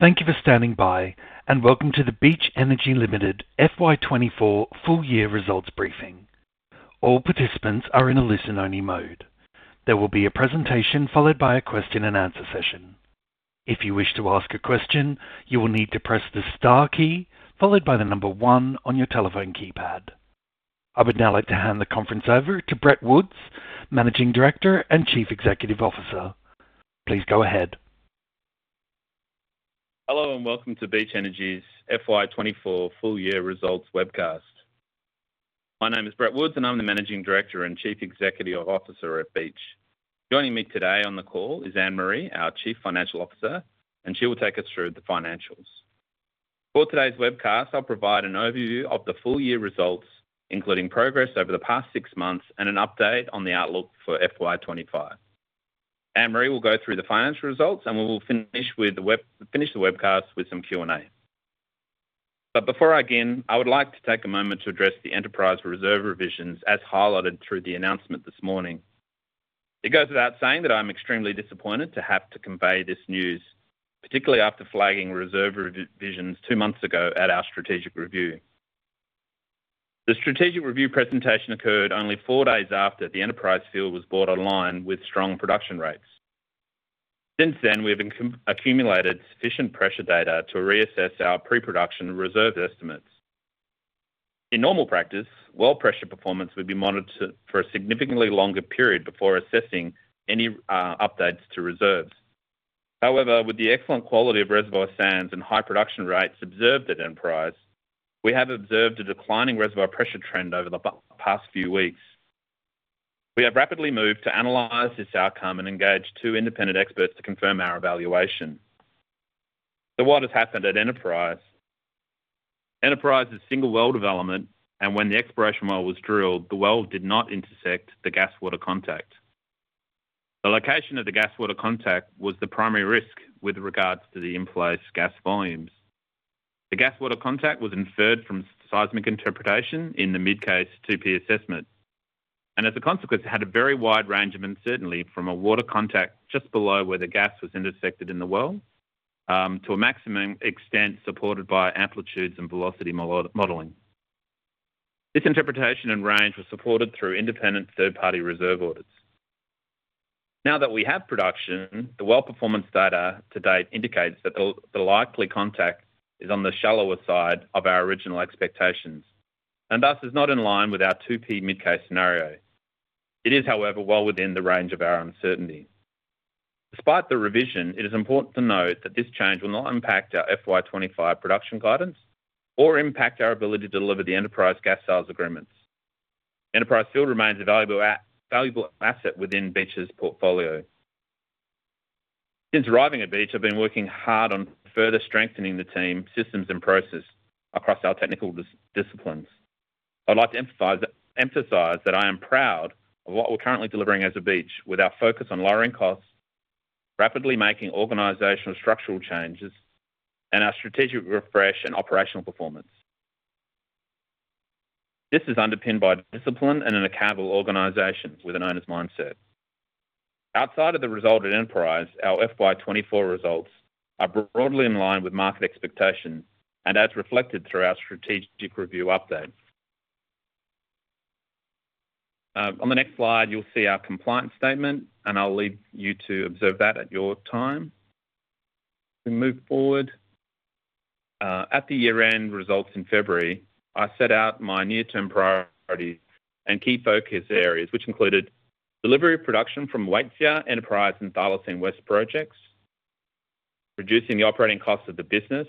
Thank you for standing by, and welcome to the Beach Energy Limited FY24 full-year results briefing. All participants are in a listen-only mode. There will be a presentation followed by a question-and-answer session. If you wish to ask a question, you will need to press the star key followed by the number one on your telephone keypad. I would now like to hand the conference over to Brett Woods, Managing Director and Chief Executive Officer. Please go ahead. Hello and welcome to Beach Energy's FY24 full-year results webcast. My name is Brett Woods, and I'm the Managing Director and Chief Executive Officer at Beach. Joining me today on the call is Anne-Marie, our Chief Financial Officer, and she will take us through the financials. For today's webcast, I'll provide an overview of the full-year results, including progress over the past 6 months and an update on the outlook for FY25. Anne-Marie will go through the financial results, and we will finish the webcast with some Q&A. But before I begin, I would like to take a moment to address the Enterprise reserve revisions as highlighted through the announcement this morning. It goes without saying that I'm extremely disappointed to have to convey this news, particularly after flagging reserve revisions two months ago at our strategic review. The strategic review presentation occurred only four days after the Enterprise field was brought online with strong production rates. Since then, we have accumulated sufficient pressure data to reassess our pre-production reserve estimates. In normal practice, well pressure performance would be monitored for a significantly longer period before assessing any updates to reserves. However, with the excellent quality of reservoir sands and high production rates observed at Enterprise, we have observed a declining reservoir pressure trend over the past few weeks. We have rapidly moved to analyze this outcome and engaged two independent experts to confirm our evaluation. So, what has happened at Enterprise? Enterprise's single-well development, and when the exploration well was drilled, the well did not intersect the gas-water contact. The location of the gas-water contact was the primary risk with regards to the in-place gas volumes. The gas water contact was inferred from seismic interpretation in the mid-case 2P assessment, and as a consequence, it had a very wide range of uncertainty from a water contact just below where the gas was intersected in the well to a maximum extent supported by amplitudes and velocity modeling. This interpretation and range were supported through independent third-party reserve audits. Now that we have production, the well performance data to date indicates that the likely contact is on the shallower side of our original expectations and thus is not in line with our 2P mid-case scenario. It is, however, well within the range of our uncertainty. Despite the revision, it is important to note that this change will not impact our FY25 production guidance or impact our ability to deliver the Enterprise gas sales agreements. Enterprise field remains a valuable asset within Beach's portfolio. Since arriving at Beach, I've been working hard on further strengthening the team, systems, and process across our technical disciplines. I'd like to emphasize that I am proud of what we're currently delivering as a Beach with our focus on lowering costs, rapidly making organizational structural changes, and our strategic refresh and operational performance. This is underpinned by discipline and an accountable organization with an owners' mindset. Outside of the result at Enterprise, our FY24 results are broadly in line with market expectations and as reflected through our strategic review update. On the next slide, you'll see our compliance statement, and I'll leave you to observe that at your time. We move forward. At the year-end results in February, I set out my near-term priorities and key focus areas, which included delivery of production from Waitsia, Enterprise, and Thylacine West projects, reducing the operating costs of the business,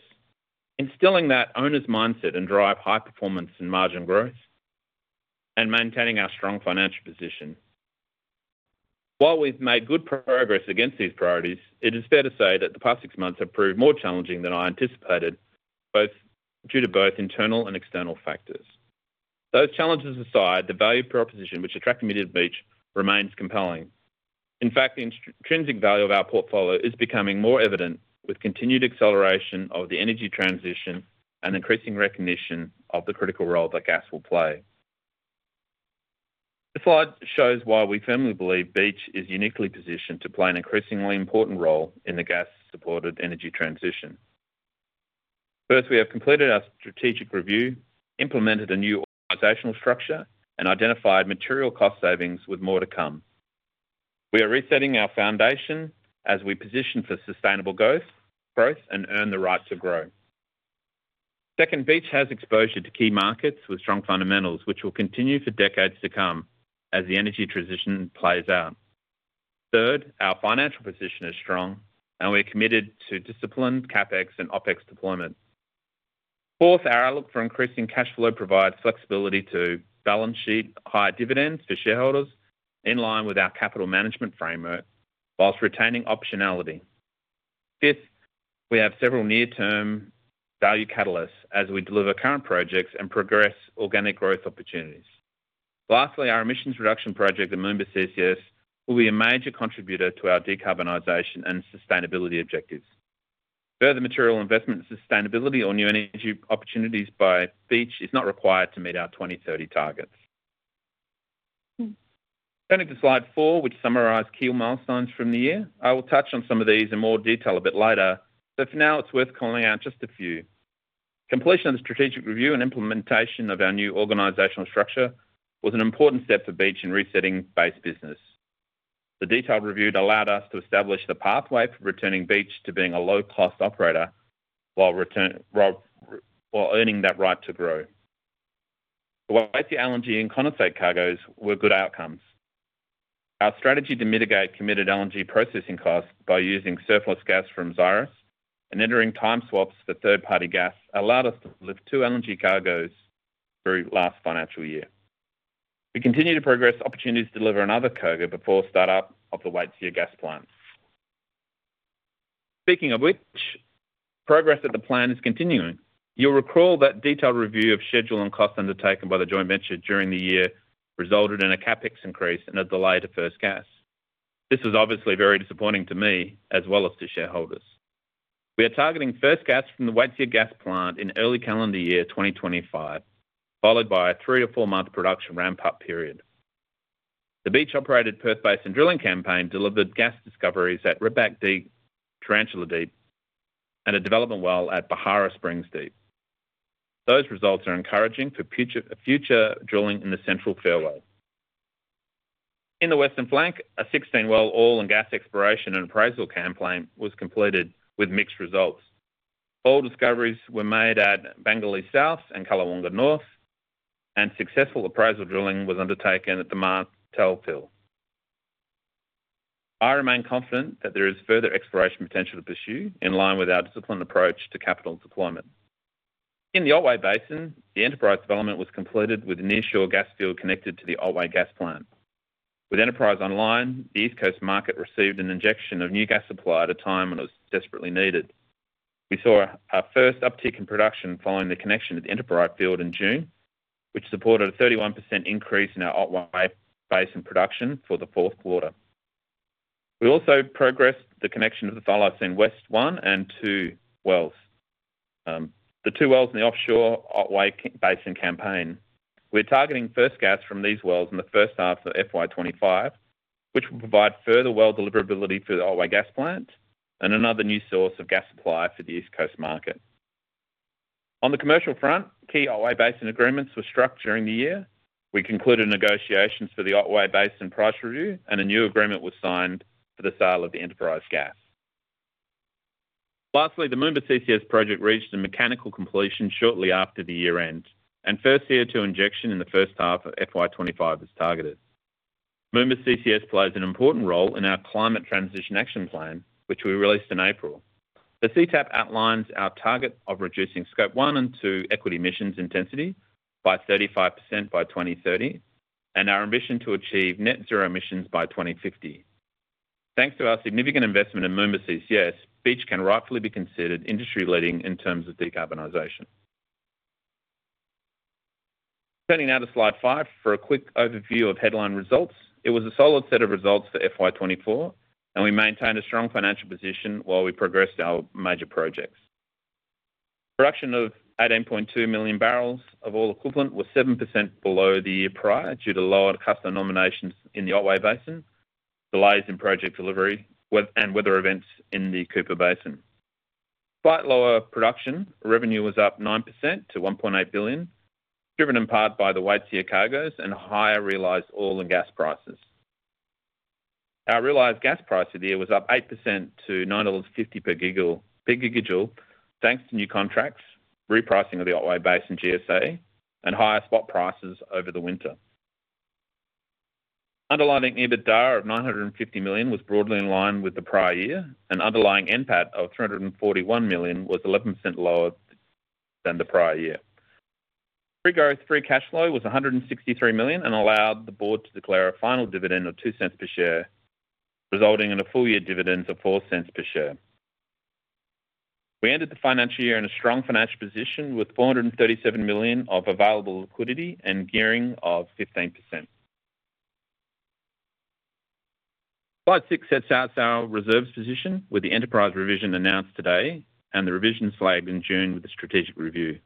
instilling that owners' mindset and drive high performance and margin growth, and maintaining our strong financial position. While we've made good progress against these priorities, it is fair to say that the past six months have proved more challenging than I anticipated, both due to internal and external factors. Those challenges aside, the value proposition which attracted me to Beach remains compelling. In fact, the intrinsic value of our portfolio is becoming more evident with continued acceleration of the energy transition and increasing recognition of the critical role that gas will play. The slide shows why we firmly believe Beach is uniquely positioned to play an increasingly important role in the gas-supported energy transition. 1st, we have completed our strategic review, implemented a new organizational structure, and identified material cost savings with more to come. We are resetting our foundation as we position for sustainable growth and earn the right to grow. 2nd, beach has exposure to key markets with strong fundamentals, which will continue for decades to come as the energy transition plays out. 3rd, our financial position is strong, and we're committed to disciplined CapEx and OpEx deployment. 4th, our outlook for increasing cash flow provides flexibility to balance sheet higher dividends for shareholders in line with our capital management framework while retaining optionality. 5th, we have several near-term value catalysts as we deliver current projects and progress organic growth opportunities. Lastly, our emissions reduction project at Moomba CCS will be a major contributor to our decarbonization and sustainability objectives. Further material investment in sustainability or new energy opportunities by Beach is not required to meet our 2030 targets. Turning to slide 4, which summarized key milestones from the year, I will touch on some of these in more detail a bit later, but for now, it's worth calling out just a few. Completion of the strategic review and implementation of our new organizational structure was an important step for Beach in resetting base business. The detailed review allowed us to establish the pathway for returning Beach to being a low-cost operator while earning that right to grow. The way the LNG and condensate cargoes were good outcomes. Our strategy to mitigate committed LNG processing costs by using surplus gas from Xyris and entering time swaps for third-party gas allowed us to lift 2 LNG cargoes through last financial year. We continue to progress opportunities to deliver another cargo before startup of the Waitsia gas plant. Speaking of which, progress at the plant is continuing. You'll recall that detailed review of schedule and cost undertaken by the joint venture during the year resulted in a CapEx increase and a delay to first gas. This was obviously very disappointing to me as well as to shareholders. We are targeting first gas from the Waitsia gas plant in early calendar year 2025, followed by a three or four-month production ramp-up period. The Beach-operated Perth Basin drilling campaign delivered gas discoveries at Redback Deep, Tarantula Deep, and a development well at Beharra Springs Deep. Those results are encouraging for future drilling in the central fairway. In the western flank, a 16-well oil and gas exploration and appraisal campaign was completed with mixed results. All discoveries were made at Bangalee South and Callawonga North, and successful appraisal drilling was undertaken at the Martlet. I remain confident that there is further exploration potential to pursue in line with our disciplined approach to capital deployment. In the Otway Basin, the Enterprise development was completed with near-shore gas field connected to the Otway Gas Plant. With Enterprise online, the East Coast market received an injection of new gas supply at a time when it was desperately needed. We saw our first uptick in production following the connection to the Enterprise field in June, which supported a 31% increase in our Otway Basin production for the fourth quarter. We also progressed the connection to the Thylacine West one and two wells. The two wells in the offshore Otway Basin campaign. We're targeting first gas from these wells in the first half of FY25, which will provide further well deliverability for the Otway Gas Plant and another new source of gas supply for the East Coast market. On the commercial front, key Otway Basin agreements were struck during the year. We concluded negotiations for the Otway Basin price review, and a new agreement was signed for the sale of the Enterprise gas. Lastly, the Moomba CCS project reached a mechanical completion shortly after the year-end, and first CO2 injection in the first half of FY25 is targeted. Moomba CCS plays an important role in our Climate Transition Action Plan, which we released in April. The CTAP outlines our target of reducing Scope 1 and Scope 2 equity emissions intensity by 35% by 2030 and our ambition to achieve net zero emissions by 2050. Thanks to our significant investment in Moomba CCS, Beach can rightfully be considered industry-leading in terms of decarbonization. Turning now to slide 5 for a quick overview of headline results. It was a solid set of results for FY2024, and we maintained a strong financial position while we progressed our major projects. Production of 18.2 million barrels of oil equivalent was 7% below the year prior due to lower customer nominations in the Otway Basin, delays in project delivery, and weather events in the Cooper Basin. Despite lower production, revenue was up 9% to 1.8 billion, driven in part by the Waitsia cargoes and higher realized oil and gas prices. Our realized gas price of the year was up 8% to $9.50 per gigajoule thanks to new contracts, repricing of the Otway Basin GSA, and higher spot prices over the winter. Underlying EBITDA of 950 million was broadly in line with the prior year, and underlying NPAT of 341 million was 11% lower than the prior year. Free cash flow was 163 million and allowed the board to declare a final dividend of 0.02 per share, resulting in a full-year dividend of 0.04 per share. We ended the financial year in a strong financial position with 437 million of available liquidity and gearing of 15%. Slide 6 sets out our reserves position with the Enterprise revision announced today and the revision flagged in June with the strategic review.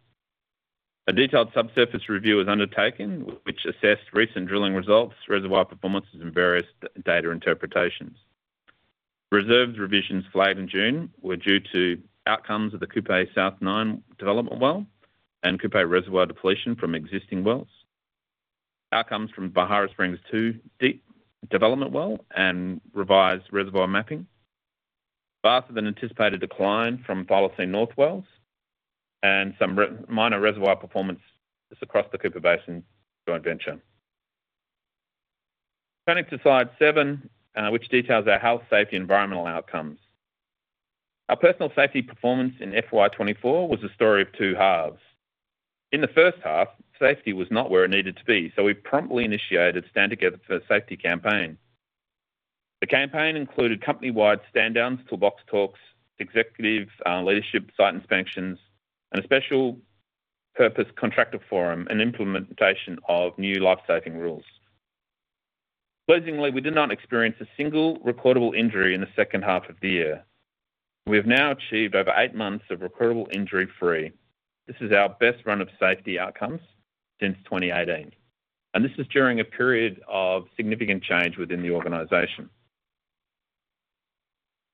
A detailed subsurface review was undertaken, which assessed recent drilling results, reservoir performances, and various data interpretations. Reserves revisions flagged in June were due to outcomes of the Cooper South-9 development well and Cooper reservoir depletion from existing wells, outcomes from Beharra Springs Deep development well and revised reservoir mapping, faster than anticipated decline from Thylacine West North wells, and some minor reservoir performance across the Cooper Basin joint venture. Turning to slide 7, which details our health, safety, and environmental outcomes. Our personal safety performance in FY24 was a story of 2 halves. In the first half, safety was not where it needed to be, so we promptly initiated a stand together for a safety campaign. The campaign included company-wide stand-downs, toolbox talks, executive leadership site inspections, and a special purpose contractor forum and implementation of new life-saving rules. Pleasingly, we did not experience a single recordable injury in the second half of the year. We have now achieved over eight months of recordable injury-free. This is our best run of safety outcomes since 2018, and this is during a period of significant change within the organization.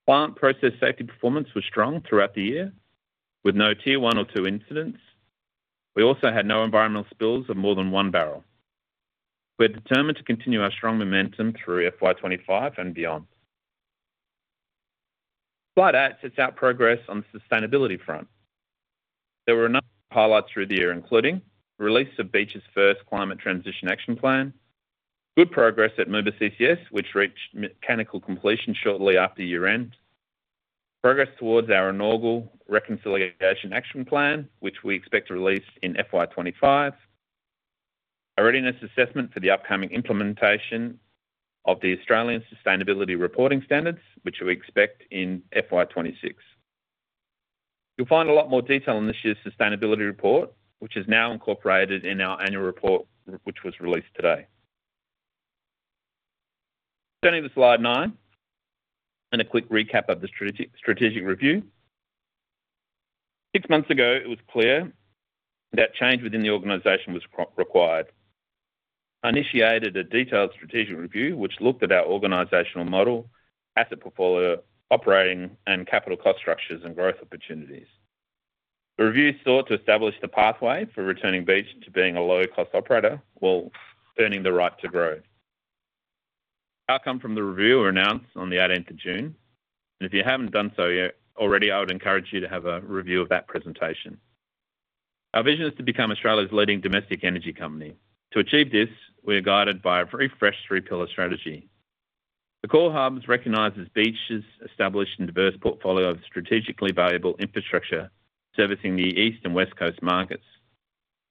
Plant process safety performance was strong throughout the year with no tier one or two incidents. We also had no environmental spills of more than one barrel. We're determined to continue our strong momentum through FY25 and beyond. Slide eight sets out progress on the sustainability front. There were enough highlights through the year, including the release of Beach's first climate transition action plan, good progress at Moomba CCS, which reached mechanical completion shortly after year-end, progress towards our inaugural reconciliation action plan, which we expect to release in FY25, a readiness assessment for the upcoming implementation of the Australian sustainability reporting standards, which we expect in FY26. You'll find a lot more detail in this year's sustainability report, which is now incorporated in our annual report, which was released today. Turning to slide 9 and a quick recap of the strategic review. 6 months ago, it was clear that change within the organization was required. I initiated a detailed strategic review, which looked at our organizational model, asset portfolio, operating, and capital cost structures and growth opportunities. The review sought to establish the pathway for returning Beach to being a low-cost operator while earning the right to grow. Outcome from the review was announced on the 18th of June, and if you haven't done so already, I would encourage you to have a review of that presentation. Our vision is to become Australia's leading domestic energy company. To achieve this, we are guided by a very fresh three-pillar strategy. The core hubs represent Beach's established and diverse portfolio of strategically valuable infrastructure servicing the East Coast and West Coast markets.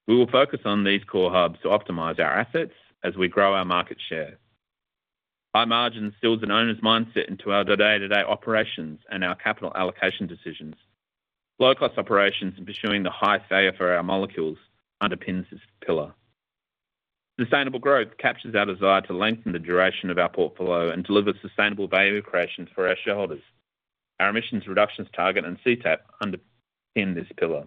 We will focus on these core hubs to optimize our assets as we grow our market share. High margin instills an owner's mindset into our day-to-day operations and our capital allocation decisions. Low-cost operations and pursuing the highest value for our molecules underpins this pillar. Sustainable growth captures our desire to lengthen the duration of our portfolio and deliver sustainable value creation for our shareholders. Our emissions reductions target and CTAP underpin this pillar.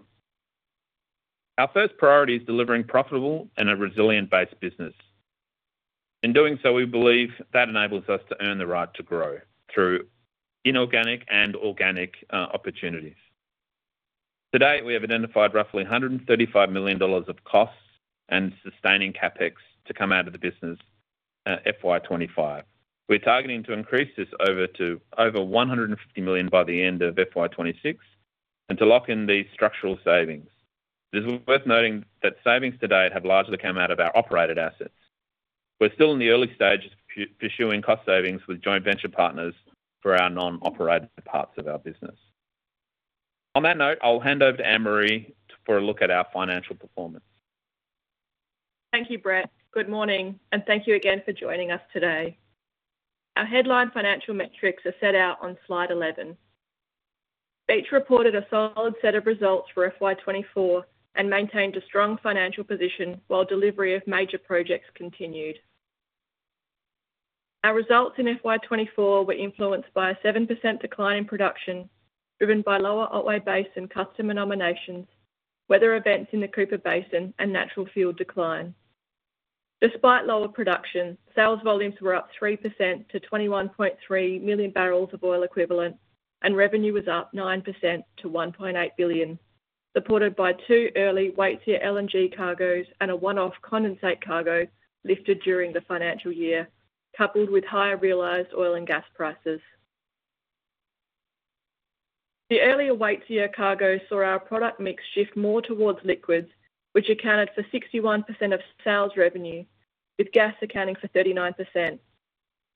Our first priority is delivering profitable and a resilient base business. In doing so, we believe that enables us to earn the right to grow through inorganic and organic opportunities. Today, we have identified roughly 135 million dollars of costs and sustaining CapEx to come out of the business FY25. We're targeting to increase this over to over 150 million by the end of FY26 and to lock in these structural savings. It is worth noting that savings today have largely come out of our operated assets. We're still in the early stages of pursuing cost savings with joint venture partners for our non-operated parts of our business. On that note, I'll hand over to Anne-Marie for a look at our financial performance. Thank you, Brett. Good morning and thank you again for joining us today. Our headline financial metrics are set out on slide 11. Beach reported a solid set of results for FY24 and maintained a strong financial position while delivery of major projects continued. Our results in FY24 were influenced by a 7% decline in production driven by lower Otway Basin customer nominations, weather events in the Cooper Basin, and natural field decline. Despite lower production, sales volumes were up 3% to 21.3 million barrels of oil equivalent, and revenue was up 9% to 1.8 billion, supported by two early Waitsia LNG cargoes and a one-off condensate cargo lifted during the financial year, coupled with higher realized oil and gas prices. The earlier Waitsia cargoes saw our product mix shift more towards liquids, which accounted for 61% of sales revenue, with gas accounting for 39%.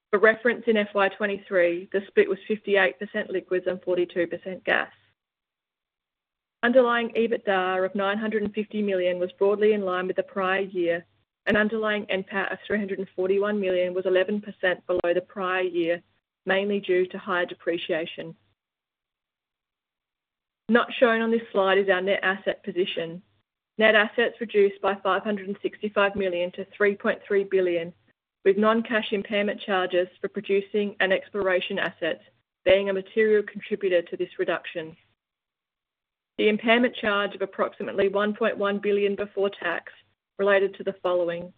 For reference in FY 2023, the split was 58% liquids and 42% gas. Underlying EBITDA of 950 million was broadly in line with the prior year, and underlying NPAT of 341 million was 11% below the prior year, mainly due to higher depreciation. Not shown on this slide is our net asset position. Net assets reduced by 565 million to 3.3 billion, with non-cash impairment charges for producing and exploration assets being a material contributor to this reduction. The impairment charge of approximately $1.1 billion before tax related to the following: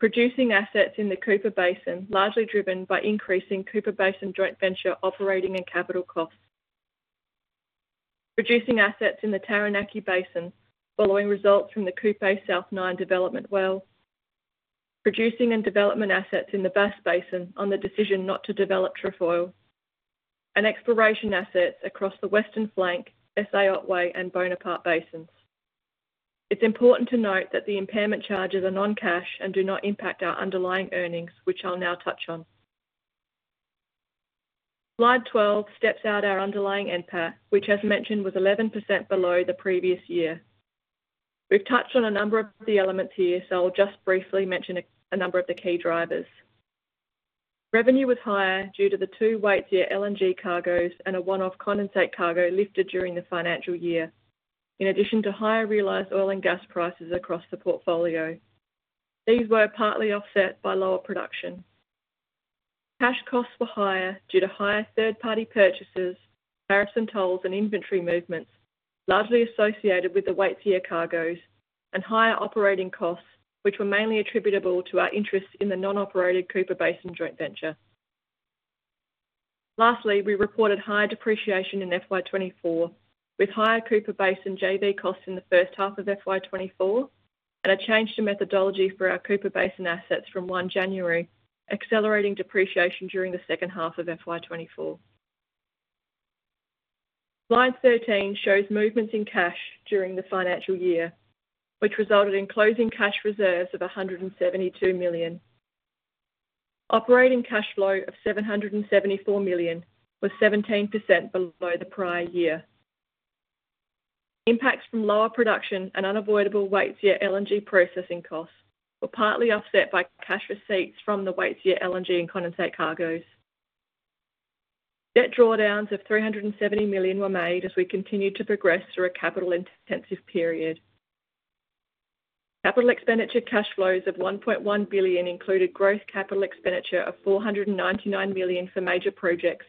producing assets in the Cooper Basin, largely driven by increasing Cooper Basin joint venture operating and capital costs. Producing assets in the Taranaki Basin following results from the Cooper South Nine development wells. Producing and development assets in the Bass Basin on the decision not to develop Trefoil. And exploration assets across the Western Flank, SA Otway, and Bonaparte Basins. It's important to note that the impairment charges are non-cash and do not impact our underlying earnings, which I'll now touch on. Slide 12 steps out our underlying NPAT, which, as mentioned, was 11% below the previous year. We've touched on a number of the elements here, so I'll just briefly mention a number of the key drivers. Revenue was higher due to the 2 Waitsia LNG cargoes and a one-off condensate cargo lifted during the financial year, in addition to higher realized oil and gas prices across the portfolio. These were partly offset by lower production. Cash costs were higher due to higher third-party purchases, tariffs, and tolls, and inventory movements largely associated with the Waitsia cargoes, and higher operating costs, which were mainly attributable to our interests in the non-operated Cooper Basin joint venture. Lastly, we reported higher depreciation in FY24, with higher Cooper Basin JV costs in the first half of FY24 and a change to methodology for our Cooper Basin assets from January 1st, accelerating depreciation during the second half of FY24. Slide 13 shows movements in cash during the financial year, which resulted in closing cash reserves of 172 million. Operating cash flow of 774 million was 17% below the prior year. Impacts from lower production and unavoidable Waitsia LNG processing costs were partly offset by cash receipts from the Waitsia LNG and condensate cargoes. Debt drawdowns of 370 million were made as we continued to progress through a capital-intensive period. Capital expenditure cash flows of 1.1 billion included growth capital expenditure of 499 million for major projects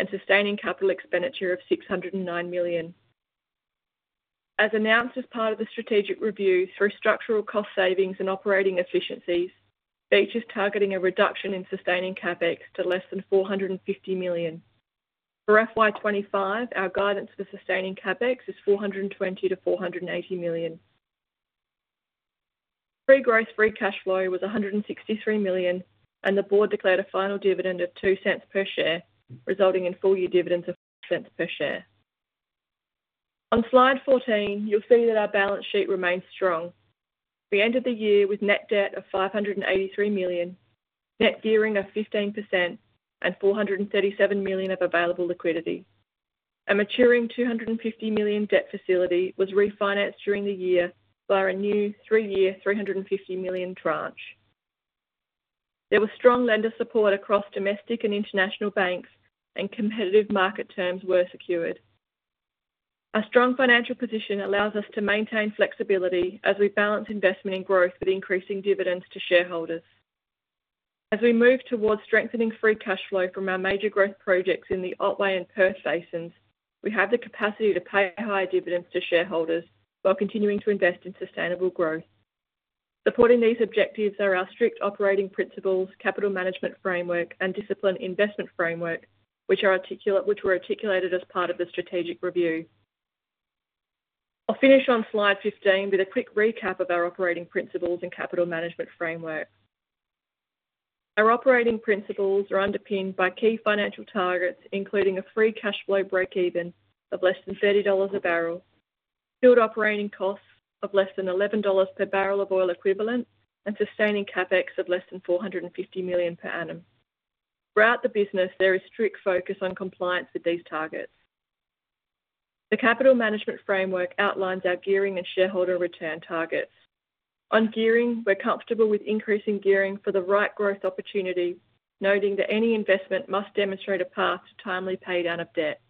and sustaining capital expenditure of 609 million. As announced as part of the strategic review through structural cost savings and operating efficiencies, Beach is targeting a reduction in sustaining CapEx to less than 450 million. For FY25, our guidance for sustaining CapEx is 420 million-480 million. Pre-growth free cash flow was 163 million, and the board declared a final dividend of 0.02 per share, resulting in full year dividends of 0.04 per share. On slide 14, you'll see that our balance sheet remains strong. We ended the year with net debt of 583 million, net gearing of 15%, and 437 million of available liquidity. A maturing 250 million debt facility was refinanced during the year via a new three-year 350 million tranche. There was strong lender support across domestic and international banks, and competitive market terms were secured. Our strong financial position allows us to maintain flexibility as we balance investment and growth with increasing dividends to shareholders. As we move towards strengthening free cash flow from our major growth projects in the Otway and Perth Basins, we have the capacity to pay higher dividends to shareholders while continuing to invest in sustainable growth. Supporting these objectives are our strict operating principles, capital management framework, and disciplined investment framework, which were articulated as part of the strategic review. I'll finish on slide 15 with a quick recap of our operating principles and capital management framework. Our operating principles are underpinned by key financial targets, including a free cash flow break-even of less than $30 a barrel, field operating costs of less than $11 per barrel of oil equivalent, and sustaining CapEx of less than $450 million per annum. Throughout the business, there is strict focus on compliance with these targets. The capital management framework outlines our gearing and shareholder return targets. On gearing, we're comfortable with increasing gearing for the right growth opportunity, noting that any investment must demonstrate a path to timely paydown of debt.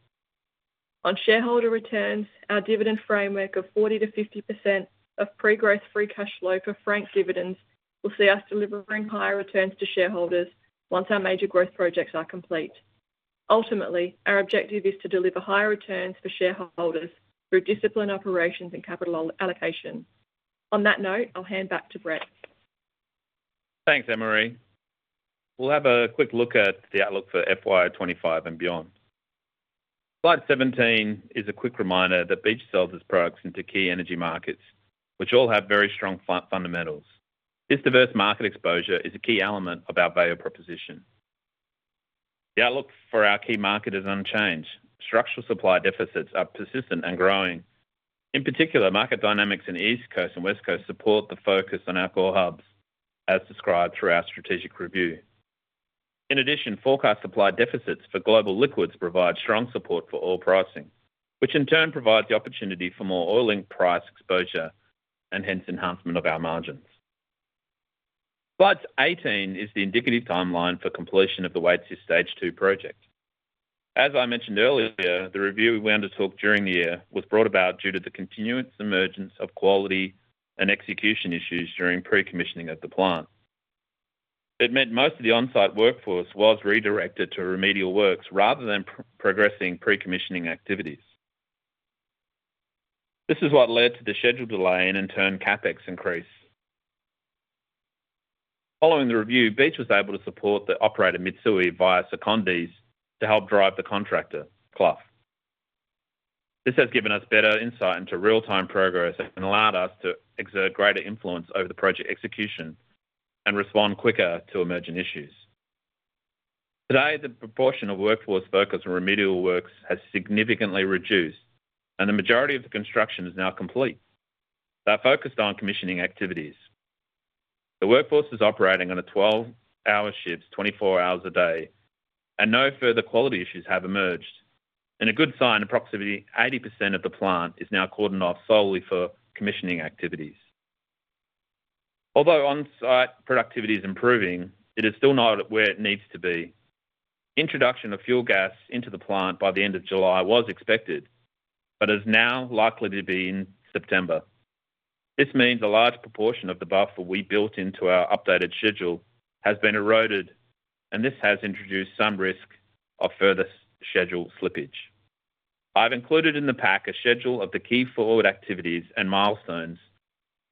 On shareholder returns, our dividend framework of 40%-50% of pre-growth free cash flow for frank dividends will see us delivering higher returns to shareholders once our major growth projects are complete. Ultimately, our objective is to deliver higher returns for shareholders through disciplined operations and capital allocation. On that note, I'll hand back to Brett. Thanks, Anne-Marie. We'll have a quick look at the outlook for FY25 and beyond. Slide 17 is a quick reminder that Beach sells its products into key energy markets, which all have very strong fundamentals. This diverse market exposure is a key element of our value proposition. The outlook for our key market is unchanged. Structural supply deficits are persistent and growing. In particular, market dynamics in the East Coast and West Coast support the focus on our core hubs, as described through our strategic review. In addition, forecast supply deficits for global liquids provide strong support for oil pricing, which in turn provides the opportunity for more oil-linked price exposure and hence enhancement of our margins. Slide 18 is the indicative timeline for completion of the Waitsia Stage 2 project. As I mentioned earlier, the review we undertook during the year was brought about due to the continuous emergence of quality and execution issues during pre-commissioning of the plant. It meant most of the on-site workforce was redirected to remedial works rather than progressing pre-commissioning activities. This is what led to the schedule delay and in turn CapEx increase. Following the review, Beach was able to support the operator Mitsui via secondees to help drive the Clough. This has given us better insight into real-time progress and allowed us to exert greater influence over the project execution and respond quicker to emerging issues. Today, the proportion of workforce focused on remedial works has significantly reduced, and the majority of the construction is now complete. They're focused on commissioning activities. The workforce is operating on a 12-hour shift, 24 hours a day, and no further quality issues have emerged, and a good sign that approximately 80% of the plant is now cordoned off solely for commissioning activities. Although on-site productivity is improving, it is still not where it needs to be. Introduction of fuel gas into the plant by the end of July was expected but is now likely to be in September. This means a large proportion of the buffer we built into our updated schedule has been eroded, and this has introduced some risk of further schedule slippage. I've included in the pack a schedule of the key forward activities and milestones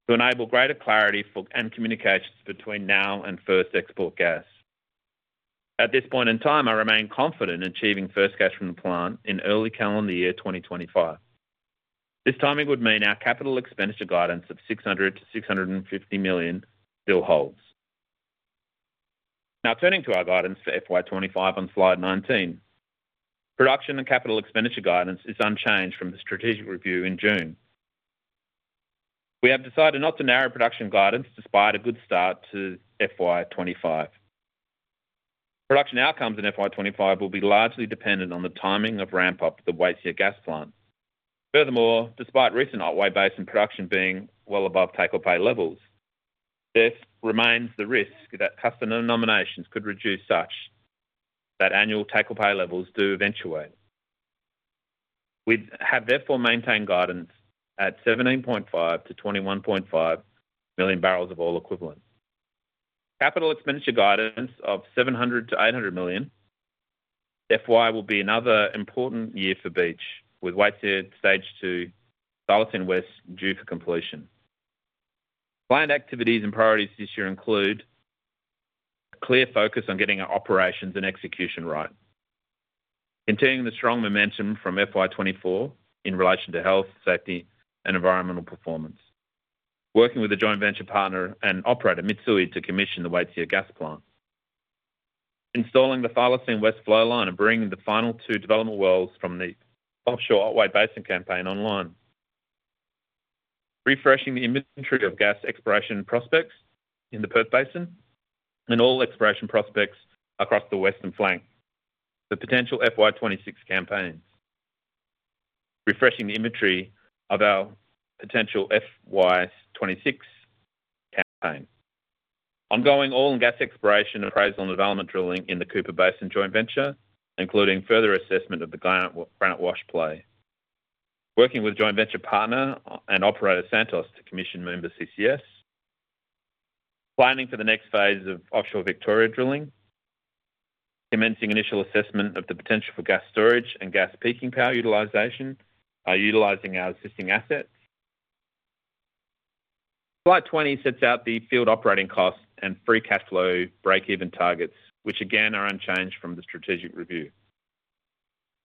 to enable greater clarity and communications between now and first export gas. At this point in time, I remain confident in achieving first cash from the plant in early calendar year 2025. This timing would mean our capital expenditure guidance of $600-$650 million still holds. Now turning to our guidance for FY25 on slide 19, production and capital expenditure guidance is unchanged from the strategic review in June. We have decided not to narrow production guidance despite a good start to FY25. Production outcomes in FY25 will be largely dependent on the timing of ramp-up for the Waitsia gas plant. Furthermore, despite recent Otway Basin production being well above take-away levels, this remains the risk that customer nominations could reduce such that annual take-away levels do eventuate. We have therefore maintained guidance at 17.5-21.5 million barrels of oil equivalent. Capital expenditure guidance of $700-$800 million. FY will be another important year for Beach, with Waitsia Stage 2, Thylacine West due for completion. Planned activities and priorities this year include a clear focus on getting our operations and execution right, continuing the strong momentum from FY24 in relation to health, safety, and environmental performance, working with a joint venture partner and operator Mitsui to commission the Waitsia gas plant, installing the Thylacine West flow line, and bringing the final two development wells from the offshore Otway Basin campaign online, refreshing the inventory of gas exploration prospects in the Perth Basin and all exploration prospects across the Western Flank, the potential FY26 campaigns Refreshing the inventory of our potential FY26 campaign, ongoing oil and gas exploration appraisal and development drilling in the Cooper Basin joint venture, including further assessment of the Granite Wash play, working with a joint venture partner and operator Santos to commission Moomba CCS, planning for the next phase of offshore Victoria drilling, commencing initial assessment of the potential for gas storage and gas peaking power utilization by utilizing our existing assets. Slide 20 sets out the field operating costs and free cash flow break-even targets, which again are unchanged from the strategic review.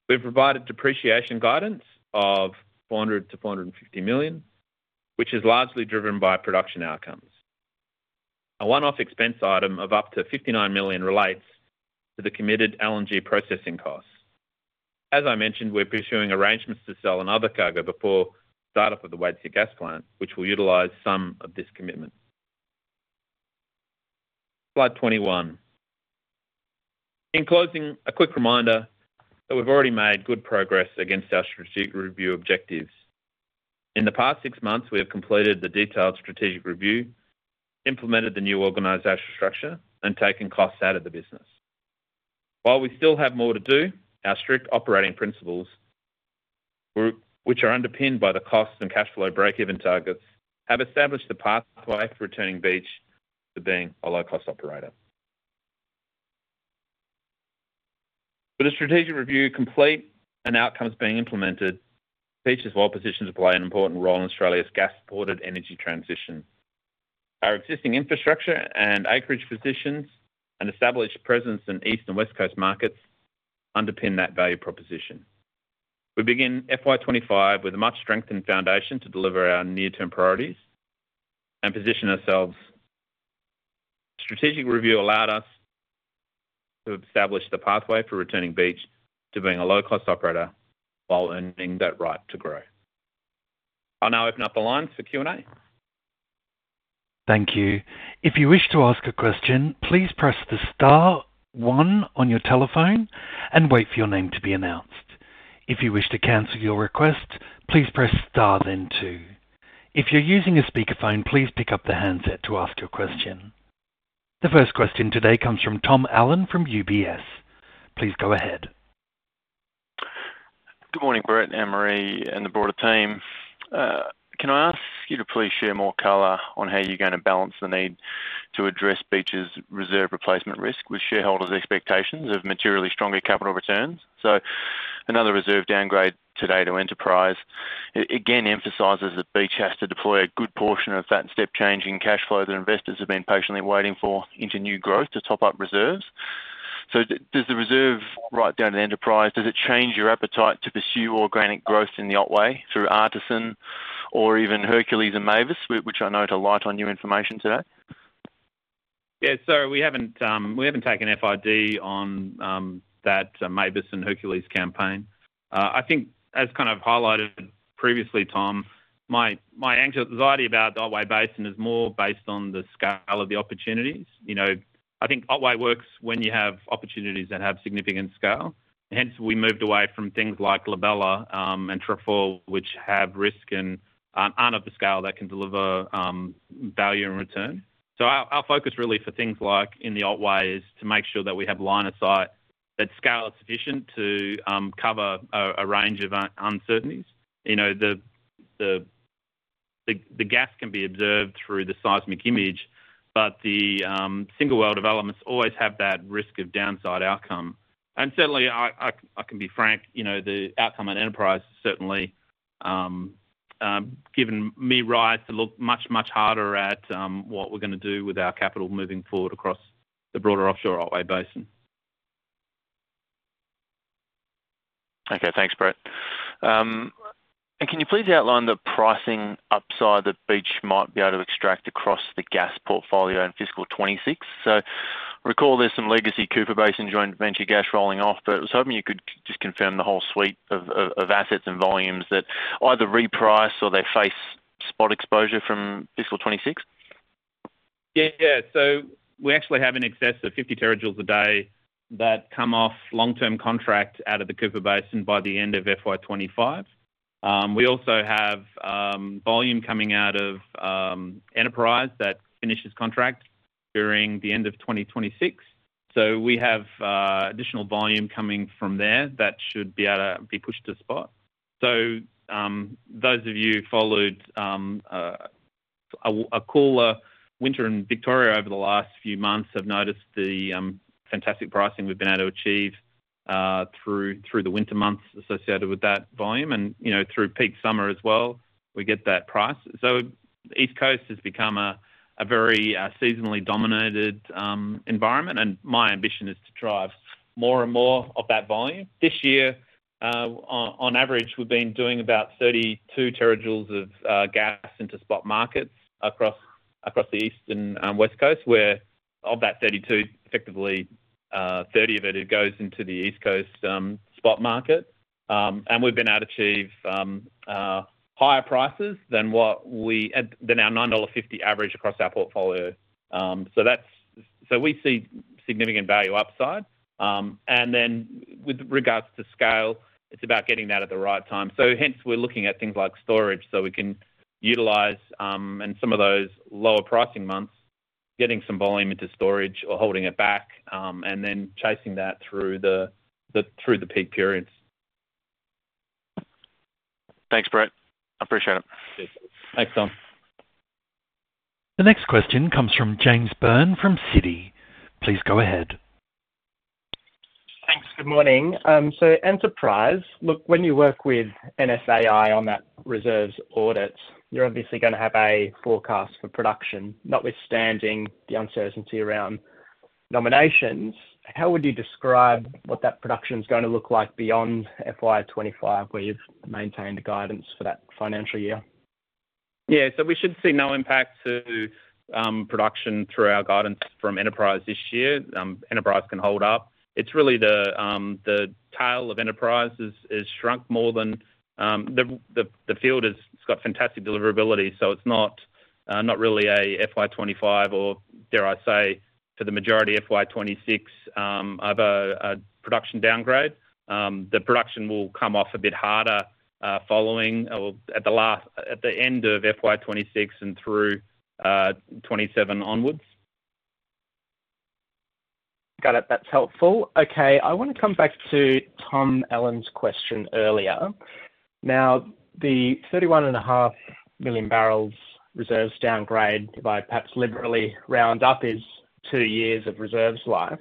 We've provided depreciation guidance of 400 million-450 million, which is largely driven by production outcomes. A one-off expense item of up to 59 million relates to the committed LNG processing costs. As I mentioned, we're pursuing arrangements to sell another cargo before startup of the Waitsia gas plant, which will utilize some of this commitment. Slide 21. In closing, a quick reminder that we've already made good progress against our strategic review objectives. In the past six months, we have completed the detailed strategic review, implemented the new organizational structure, and taken costs out of the business. While we still have more to do, our strict operating principles, which are underpinned by the cost and cash flow break-even targets, have established the pathway for returning Beach to being a low-cost operator. With the strategic review complete and outcomes being implemented, Beach's well-positioned play an important role in Australia's gas-supported energy transition. Our existing infrastructure and acreage positions and established presence in East Coast and West Coast markets underpin that value proposition. We begin FY25 with a much-strengthened foundation to deliver our near-term priorities and position ourselves. Strategic review allowed us to establish the pathway for returning Beach to being a low-cost operator while earning that right to grow. I'll now open up the lines for Q&A. Thank you. If you wish to ask a question, please press the star one on your telephone and wait for your name to be announced. If you wish to cancel your request, please press star then two. If you're using a speakerphone, please pick up the handset to ask your question. The first question today comes from Tom Allen from UBS. Please go ahead. Good morning, Brett, Anne-Marie, and the broader team. Can I ask you to please share more color on how you're going to balance the need to address Beach's reserve replacement risk with shareholders' expectations of materially stronger capital returns? So, another reserve downgrade today to Enterprise again emphasizes that Beach has to deploy a good portion of that step-changing cash flow that investors have been patiently waiting for into new growth to top up reserves. So, does the reserve write down to Enterprise? Does it change your appetite to pursue organic growth in the Otway through Artisan or even Hercules and Mavis, which I know too light on new information today? Yeah, so, we haven't taken FID on that Mavis and Hercules campaign. I think, as kind of highlighted previously, Tom, my anxiety about the Otway Basin is more based on the scale of the opportunities. I think Otway works when you have opportunities that have significant scale. Hence, we moved away from things like La Bella and Trefoil, which have risk and aren't of the scale that can deliver value and return. So, our focus really for things like in the Otway is to make sure that we have line of sight that scale is sufficient to cover a range of uncertainties. The gas can be observed through the seismic image, but the single well developments always have that risk of downside outcome. And certainly, I can be frank, the outcome on Enterprise has certainly given me rise to look much, much harder at what we're going to do with our capital moving forward across the broader offshore Otway Basin. Okay, thanks, Brett. And can you please outline the pricing upside that Beach might be able to extract across the gas portfolio in fiscal 26? So, recall there's some legacy Cooper Basin joint venture gas rolling off, but I was hoping you could just confirm the whole suite of assets and volumes that either reprice or they face spot exposure from fiscal 26. Yeah, so, we actually have an excess of 50 terajoules a day that come off long-term contract out of the Cooper Basin by the end of FY25. We also have volume coming out of Enterprise that finishes contract during the end of 2026. So, we have additional volume coming from there that should be able to be pushed to spot. So, those of you who followed a cooler winter in Victoria over the last few months have noticed the fantastic pricing we've been able to achieve through the winter months associated with that volume and through peak summer as well. We get that price. So the East Coast has become a very seasonally dominated environment, and my ambition is to drive more and more of that volume. This year, on average, we've been doing about 32 terajoules of gas into spot markets across the East and West Coast, where of that 32, effectively 30 of it goes into the East Coast spot market. And we've been able to achieve higher prices than our $9.50 average across our portfolio. So, we see significant value upside. Then with regards to scale, it's about getting that at the right time. So, hence, we're looking at things like storage so we can utilize in some of those lower pricing months getting some volume into storage or holding it back and then chasing that through the peak periods. Thanks, Brett. I appreciate it. Thanks, Tom. The next question comes from James Byrne from Citi. Please go ahead. Thanks. Good morning. So, Enterprise, look, when you work with NSAI on that reserves audit, you're obviously going to have a forecast for production, notwithstanding the uncertainty around nominations. How would you describe what that production is going to look like beyond FY25 where you've maintained the guidance for that financial year? Yeah, so, we should see no impact to production through our guidance from Enterprise this year. Enterprise can hold up. It's really the tail of Enterprise has shrunk more than the field has got fantastic deliverability. So, it's not really a FY25 or, dare I say, for the majority of FY26 of a production downgrade. The production will come off a bit harder following at the end of FY26 and through '27 onwards. Got it. That's helpful. Okay, I want to come back to Tom Allen's question earlier. Now, the 31.5 million barrels reserves downgrade, if I perhaps liberally round up, is two years of reserves life.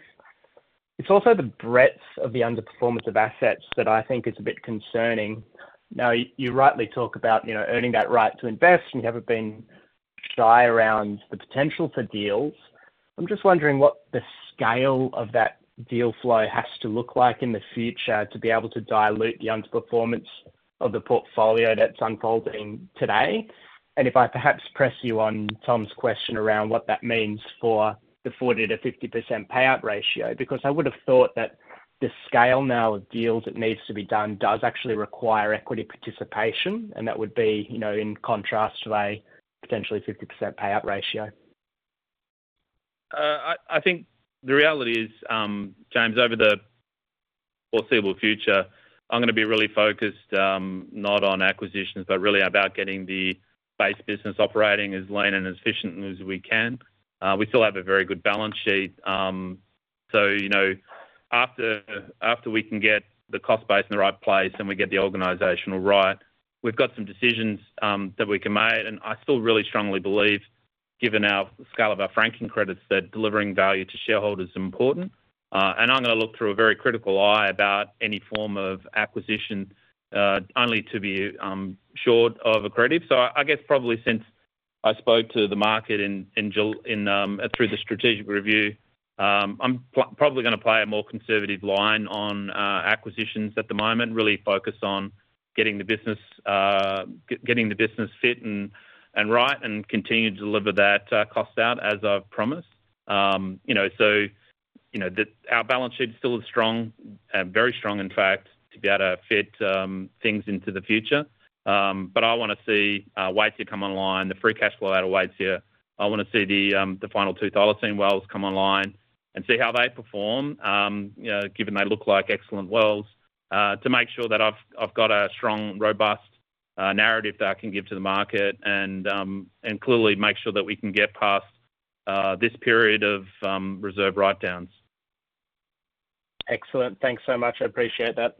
It's also the breadth of the underperformance of assets that I think is a bit concerning. Now, you rightly talk about earning that right to invest, and you haven't been shy around the potential for deals. I'm just wondering what the scale of that deal flow has to look like in the future to be able to dilute the underperformance of the portfolio that's unfolding today. If I perhaps press you on Tom's question around what that means for the 40%-50% payout ratio, because I would have thought that the scale now of deals that needs to be done does actually require equity participation, and that would be in contrast to a potentially 50% payout ratio. I think the reality is, James, over the foreseeable future, I'm going to be really focused not on acquisitions, but really about getting the base business operating as lean and as efficient as we can. We still have a very good balance sheet. So, after we can get the cost base in the right place and we get the organizational right, we've got some decisions that we can make. And I still really strongly believe, given the scale of our franking credits, that delivering value to shareholders is important. And I'm going to look through a very critical eye about any form of acquisition only to be short of accretive. So, I guess probably since I spoke to the market through the strategic review, I'm probably going to play a more conservative line on acquisitions at the moment, really focus on getting the business fit and right and continue to deliver that cost out as I've promised. So, our balance sheet still is strong, very strong in fact, to be able to fund things into the future. But I want to see Waitsia come online, the free cash flow out of Waitsia. I want to see the final two Thylacine West wells come online and see how they perform, given they look like excellent wells, to make sure that I've got a strong, robust narrative that I can give to the market and clearly make sure that we can get past this period of reserve write-downs. Excellent. Thanks so much. I appreciate that.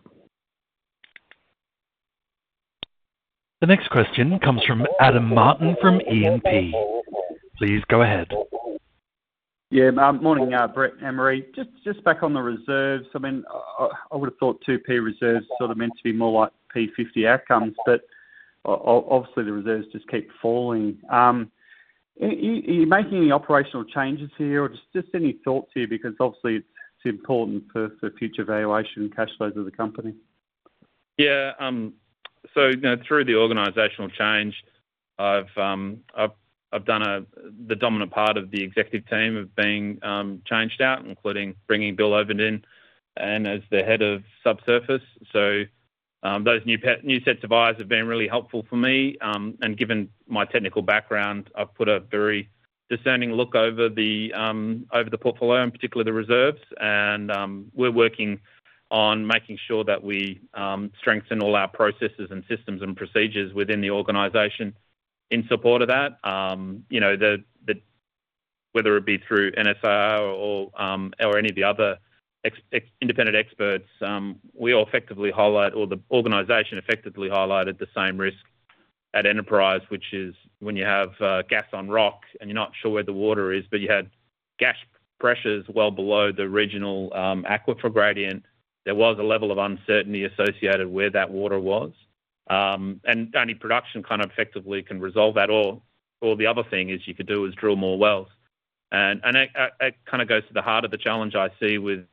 The next question comes from Adam Martin from E&P. Please go ahead. Yeah, good morning, Brett and Marie. Just back on the reserves. I mean, I would have thought 2P reserves sort of meant to be more like P50 outcomes, but obviously, the reserves just keep falling. Are you making any operational changes here or just any thoughts here? Because obviously, it's important for future valuation cash flows of the company. Yeah. So, through the organizational change, I've done the dominant part of the executive team of being changed out, including bringing Bill Ovenden in as the head of subsurface. So, those new sets of eyes have been really helpful for me. And given my technical background, I've put a very discerning look over the portfolio and particularly the reserves. And we're working on making sure that we strengthen all our processes and systems and procedures within the organization in support of that. Whether it be through NSAI or any of the other independent experts, we all effectively highlight, or the organization effectively highlighted the same risk at Enterprise, which is when you have gas on rock and you're not sure where the water is, but you had gas pressures well below the regional aquifer gradient, there was a level of uncertainty associated where that water was. Only production kind of effectively can resolve that. Or the other thing is you could do is drill more wells. And it kind of goes to the heart of the challenge I see with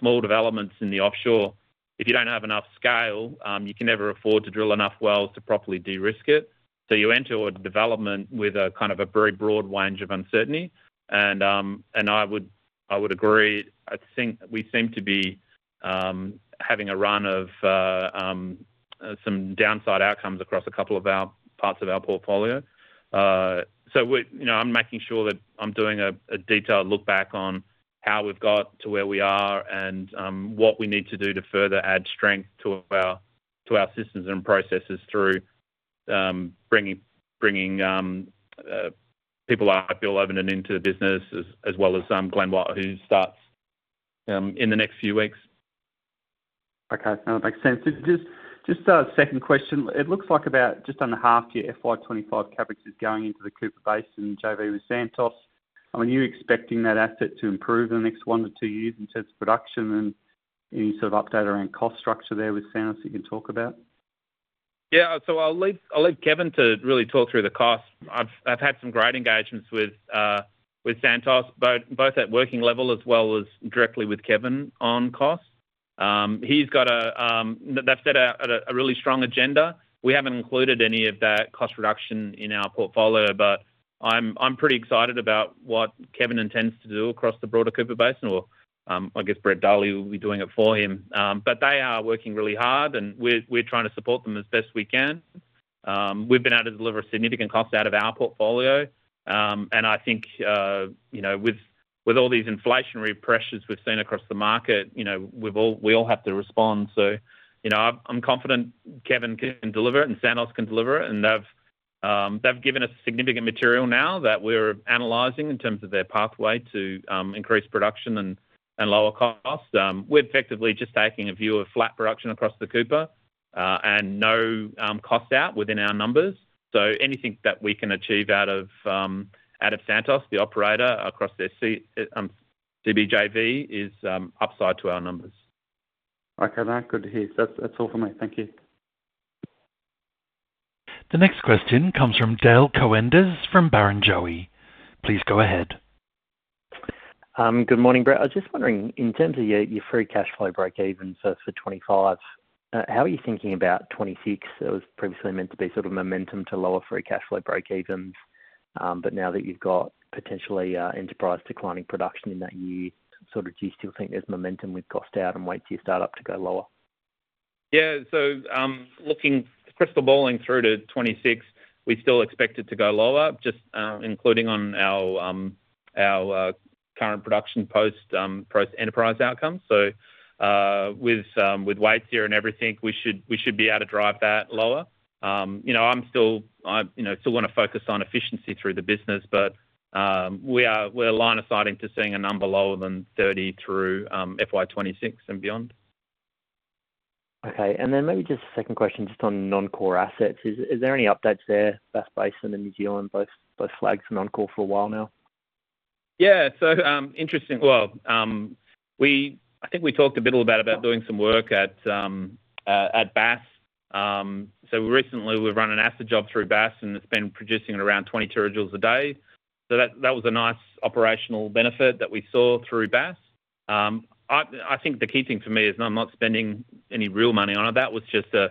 small developments in the offshore. If you don't have enough scale, you can never afford to drill enough wells to properly de-risk it. So, you enter a development with a kind of a very broad range of uncertainty. And I would agree. I think we seem to be having a run of some downside outcomes across a couple of parts of our portfolio. So, I'm making sure that I'm doing a detailed look back on how we've got to where we are and what we need to do to further add strength to our systems and processes through bringing people like Bill Ovenden into the business, as well as Glenn Watt, who starts in the next few weeks. Okay. That makes sense. Just a second question. It looks like about just under half your FY25 CapEx is going into the Cooper Basin and JV with Santos. I mean, are you expecting that asset to improve in the next one to two years in terms of production and any sort of update around cost structure there with Santos that you can talk about? Yeah. So, I'll leave Kevin to really talk through the cost. I've had some great engagements with Santos, both at working level as well as directly with Kevin on cost. He's got a, they've set out a really strong agenda. We haven't included any of that cost reduction in our portfolio, but I'm pretty excited about what Kevin intends to do across the broader Cooper Basin. Or I guess Brett Darley will be doing it for him. They are working really hard, and we're trying to support them as best we can. We've been able to deliver a significant cost out of our portfolio. I think with all these inflationary pressures we've seen across the market, we all have to respond. I'm confident Kevin can deliver it, and Santos can deliver it. They've given us significant material now that we're analyzing in terms of their pathway to increase production and lower costs. We're effectively just taking a view of flat production across the Cooper and no cost out within our numbers. So, anything that we can achieve out of Santos, the operator across their CBJV, is upside to our numbers. Okay. Good to hear. That's all for me. Thank you. The next question comes from Dale Koenders from Barrenjoey. Please go ahead. Good morning, Brett. I was just wondering, in terms of your free cash flow break-evens for 2025, how are you thinking about 2026? It was previously meant to be sort of momentum to lower free cash flow break-evens. But now that you've got potentially Enterprise declining production in that year, sort of do you still think there's momentum with cost out and Waitsia startup to go lower? Yeah. So looking crystal balling through to 2026, we still expect it to go lower, just including on our current production post-Enterprise outcomes. So with Waitsia and everything, we should be able to drive that lower. I'm still going to focus on efficiency through the business, but we're looking forward to seeing a number lower than 30 through FY26 and beyond. Okay. And then maybe just a second question just on non-core assets. Is there any updates there? Bass Basin and New Zealand both flagged for non-core for a while now. Yeah. So, interesting. Well, I think we talked a bit about doing some work at Bass. So, recently, we've run an after-job through Bass, and it's been producing around 20 terajoules a day. So, that was a nice operational benefit that we saw through Bass. I think the key thing for me is I'm not spending any real money on it. That was just a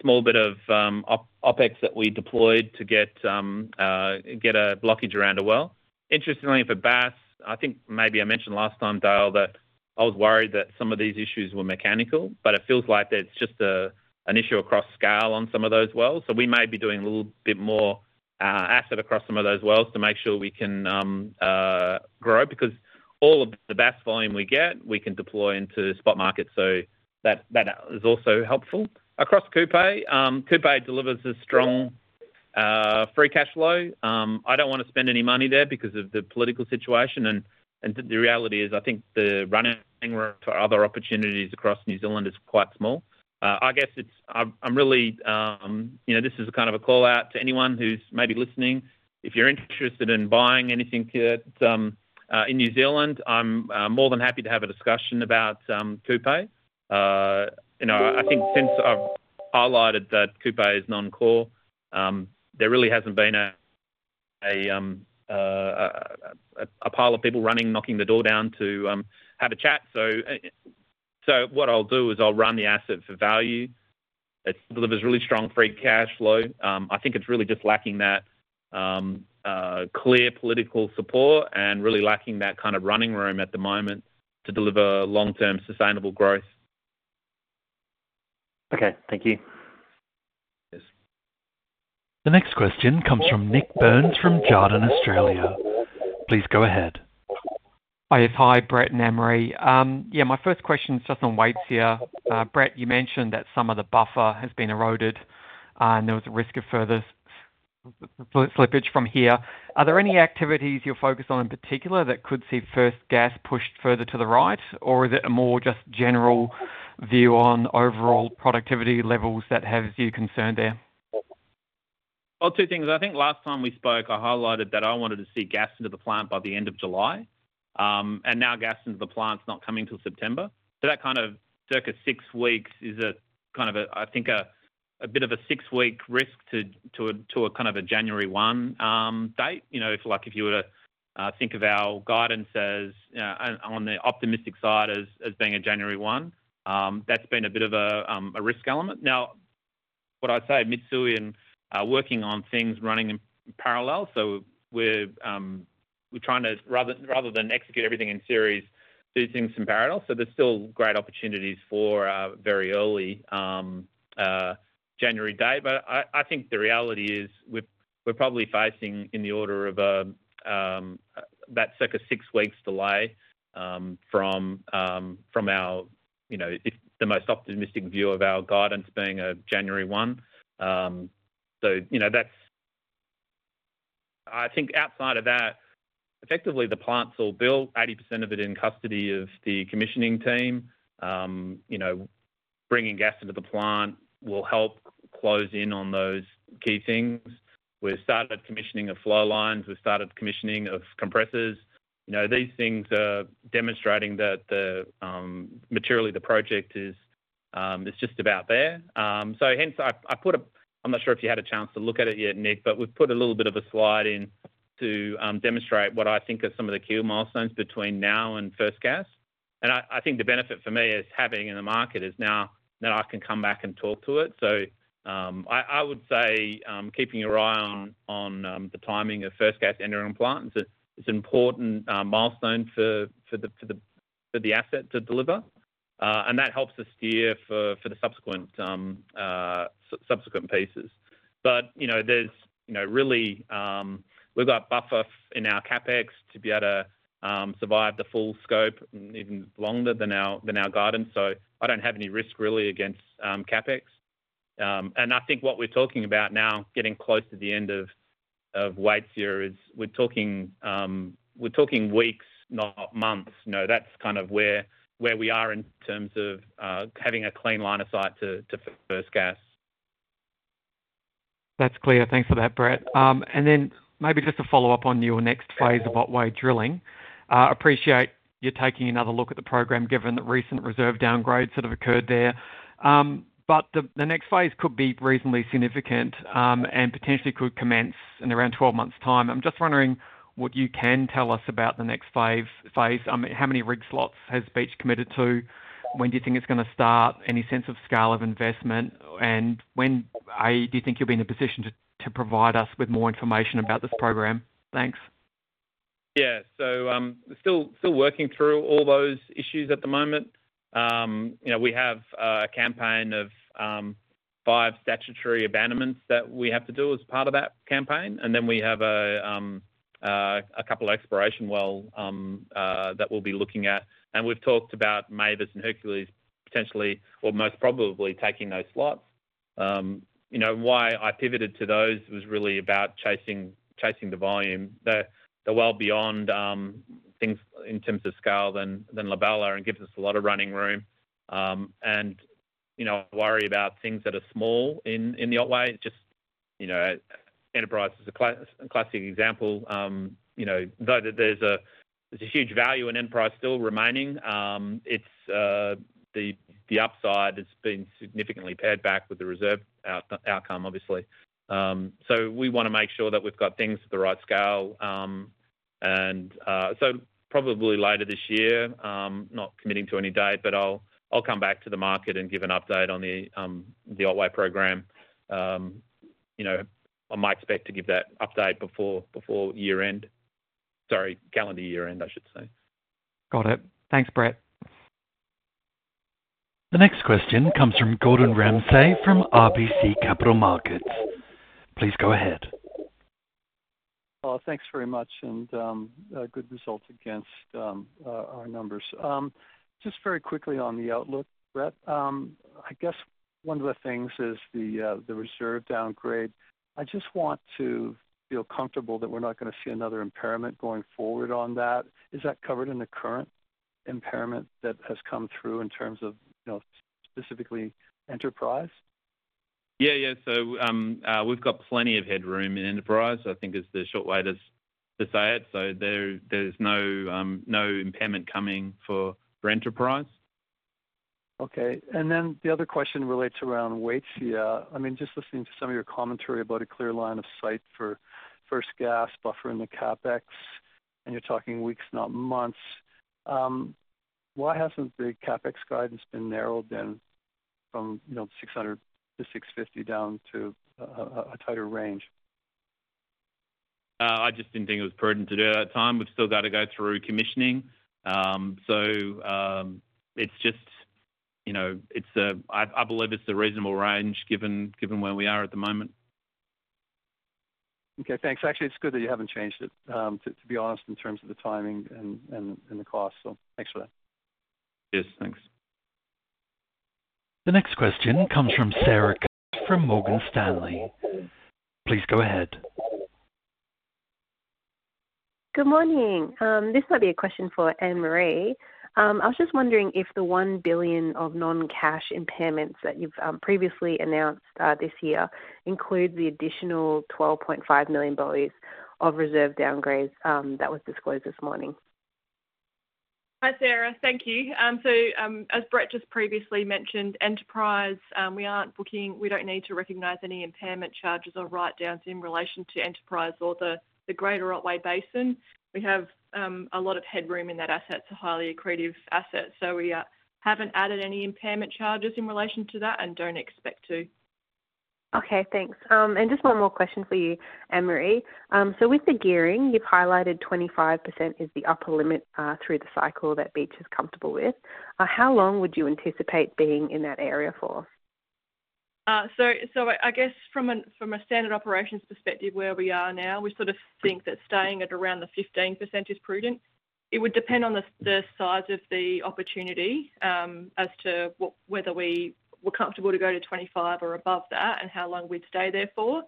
small bit of OpEx that we deployed to get a blockage around a well. Interestingly, for Bass, I think maybe I mentioned last time, Dale, that I was worried that some of these issues were mechanical, but it feels like it's just an issue across scale on some of those wells. So we may be doing a little bit more asset across some of those wells to make sure we can grow because all of the Bass volume we get, we can deploy into spot markets. So, that is also helpful. Across Kupe, Kupe delivers a strong free cash flow. I don't want to spend any money there because of the political situation. And the reality is I think the running room for other opportunities across New Zealand is quite small. I guess I'm really this is kind of a call out to anyone who's maybe listening. If you're interested in buying anything in New Zealand, I'm more than happy to have a discussion about Kupe. I think since I've highlighted that Kupe is non-core, there really hasn't been a pile of people running, knocking the door down to have a chat. So, what I'll do is I'll run the asset for value. It delivers really strong free cash flow. I think it's really just lacking that clear political support and really lacking that kind of running room at the moment to deliver long-term sustainable growth. Okay. Thank you. The next question comes from Nik Burns from Jarden Australia. Please go ahead. Hi. It's hi, Brett and Anne-Marie. Yeah, my first question is just on Waitsia. Brett, you mentioned that some of the buffer has been eroded, and there was a risk of further slippage from here. Are there any activities you're focused on in particular that could see first gas pushed further to the right, or is it a more just general view on overall productivity levels that have you concerned there? Well, 2 things. I think last time we spoke, I highlighted that I wanted to see gas into the plant by the end of July. And now gas into the plant's not coming till September. So, that kind of circa 6 weeks is a kind of a, I think, a bit of a 6-week risk to a kind of a January 1 date. If you were to think of our guidance as on the optimistic side as being a January 1, that's been a bit of a risk element. Now, what I say, Mitsui and. Working on things running in parallel. So, we're trying to, rather than execute everything in series, do things in parallel. So, there's still great opportunities for a very early January date. But I think the reality is we're probably facing in the order of that circa 6 weeks delay from the most optimistic view of our guidance being a January 1. So, I think outside of that, effectively, the plant's all built, 80% of it in custody of the commissioning team. Bringing gas into the plant will help close in on those key things. We've started commissioning of flow lines. We've started commissioning of compressors. These things are demonstrating that materially, the project is just about there. Hence, I put a—I'm not sure if you had a chance to look at it yet, Nik, but we've put a little bit of a slide in to demonstrate what I think are some of the key milestones between now and first gas. And I think the benefit for me is having in the market is now that I can come back and talk to it. So I would say keeping your eye on the timing of first gas entering the plant is an important milestone for the asset to deliver. And that helps us steer for the subsequent pieces. But there's really—we've got buffer in our CapEx to be able to survive the full scope even longer than our guidance. So, I don't have any risk really against CapEx. And I think what we're talking about now, getting close to the end of Waitsia, is we're talking weeks, not months. That's kind of where we are in terms of having a clean line of sight to first gas. That's clear. Thanks for that, Brett. And then maybe just to follow up on your next phase of Otway drilling, appreciate you're taking another look at the program given the recent reserve downgrade sort of occurred there. But the next phase could be reasonably significant and potentially could commence in around 12 months' time. I'm just wondering what you can tell us about the next phase. How many rig slots has Beach committed to? When do you think it's going to start? Any sense of scale of investment? And when do you think you'll be in a position to provide us with more information about this program? Thanks. Yeah. So, still working through all those issues at the moment. We have a campaign of five statutory abandonments that we have to do as part of that campaign. Then we have a couple of exploration wells that we'll be looking at. And we've talked about Mavis and Hercules potentially, or most probably taking those slots. Why I pivoted to those was really about chasing the volume. They're well beyond things in terms of scale than La Bella and gives us a lot of running room. And I worry about things that are small in the Otway. Just Enterprise is a classic example. Though there's a huge value in Enterprise still remaining, the upside has been significantly pared back with the reserve outcome, obviously. So, we want to make sure that we've got things at the right scale. And so probably later this year, not committing to any date, but I'll come back to the market and give an update on the Otway program. I might expect to give that update before year-end. Sorry, calendar year-end, I should say. Got it. Thanks, Brett. The next question comes from Gordon Ramsay from RBC Capital Markets. Please go ahead. Thanks very much and good results against our numbers. Just very quickly on the outlook, Brett. I guess one of the things is the reserve downgrade. I just want to feel comfortable that we're not going to see another impairment going forward on that. Is that covered in the current impairment that has come through in terms of specifically Enterprise? Yeah. Yeah. So, we've got plenty of headroom in Enterprise, I think, is the short way to say it. So, there's no impairment coming for Enterprise. Okay. Then the other question relates around Waitsia. I mean, just listening to some of your commentary about a clear line of sight for first gas, buffer in the CapEx, and you're talking weeks, not months. Why hasn't the CapEx guidance been narrowed then from 600-650 down to a tighter range? I just didn't think it was prudent to do it at that time. We've still got to go through commissioning. So, it's just I believe it's a reasonable range given where we are at the moment. Okay. Thanks. Actually, it's good that you haven't changed it, to be honest, in terms of the timing and the cost. So, thanks for that. Yes. Thanks. The next question comes from Sarah Kerr from Morgan Stanley. Please go ahead. Good morning. This might be a question for Anne-Marie. I was just wondering if the 1 billion of non-cash impairments that you've previously announced this year include the additional 12.5 million of reserve downgrades that was disclosed this morning. Hi, Sarah. Thank you. So, as Brett just previously mentioned, Enterprise, we don't need to recognize any impairment charges or write-downs in relation to Enterprise or the greater Otway Basin. We have a lot of headroom in that asset. It's a highly accretive asset. So, we haven't added any impairment charges in relation to that and don't expect to. Okay. Thanks. And just one more question for you, Anne-Marie. So, with the gearing, you've highlighted 25% is the upper limit through the cycle that Beach is comfortable with. How long would you anticipate being in that area for? So, I guess from a standard operations perspective where we are now, we sort of think that staying at around the 15% is prudent. It would depend on the size of the opportunity as to whether we're comfortable to go to 25 or above that and how long we'd stay there for.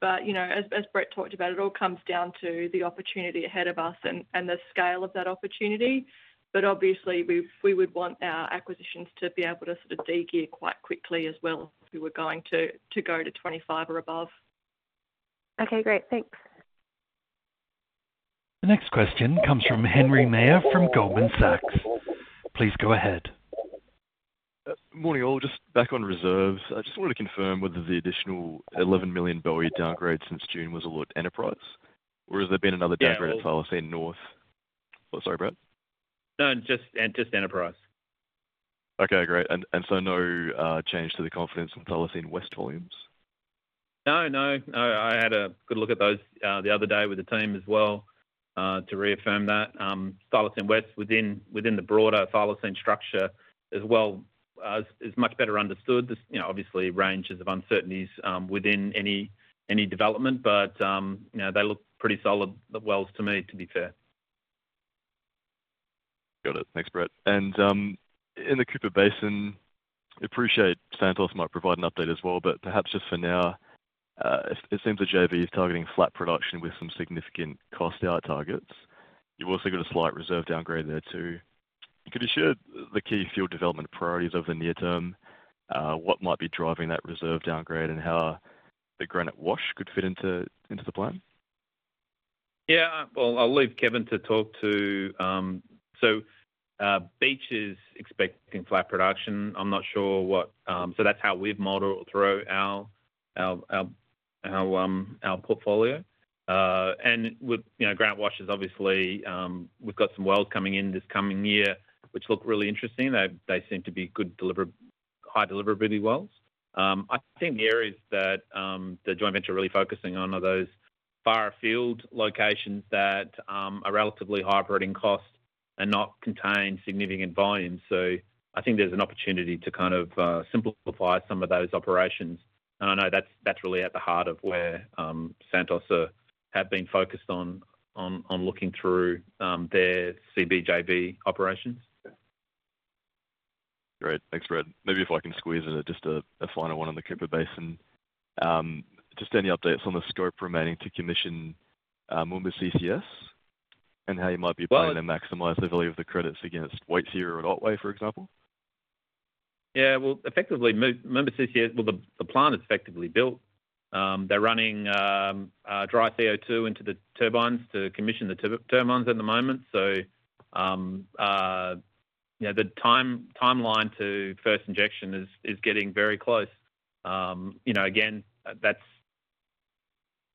But as Brett talked about, it all comes down to the opportunity ahead of us and the scale of that opportunity. But obviously, we would want our acquisitions to be able to sort of de-gear quite quickly as well if we were going to go to 25 or above. Okay. Great. Thanks. The next question comes from Henry Meyer from Goldman Sachs. Please go ahead. Morning, all. Just back on reserves. I just wanted to confirm whether the additional 11 million downgrade since June was all at Enterprise, or has there been another downgrade at Thylacine North? Sorry, Brett. No, just Enterprise. Okay. Great. And so, no change to the confidence in Thylacine West volumes? No, no, no. I had a good look at those the other day with the team as well to reaffirm that. Thylacine West, within the broader Thylacine structure as well, is much better understood. Obviously, range is of uncertainties within any development, but they look pretty solid, the wells to me, to be fair. Got it. Thanks, Brett. And in the Cooper Basin, appreciate Santos might provide an update as well, but perhaps just for now, it seems that JV is targeting flat production with some significant cost out targets. You've also got a slight reserve downgrade there too. Could you share the key field development priorities over the near term? What might be driving that reserve downgrade and how the Granite Wash could fit into the plan? Yeah. Well, I'll leave Kevin to talk to. So, Beach is expecting flat production. I'm not sure what, so that's how we've modeled through our portfolio. And with Granite Wash, obviously, we've got some wells coming in this coming year, which look really interesting. They seem to be good, high deliverability wells. I think the areas that the joint venture is really focusing on are those far field locations that are relatively high operating cost and not contain significant volume. So, I think there's an opportunity to kind of simplify some of those operations. And I know that's really at the heart of where Santos has been focused on looking through their CBJV operations. Great. Thanks, Brett. Maybe if I can squeeze in just a final one on the Cooper Basin, just any updates on the scope remaining to commission Moomba CCS and how you might be applying to maximize the value of the credits against Waitsia or Otway, for example? Yeah. Well, effectively, Moomba CCS, well, the plant is effectively built. They're running dry CO2 into the turbines to commission the turbines at the moment. So, the timeline to first injection is getting very close. Again, that's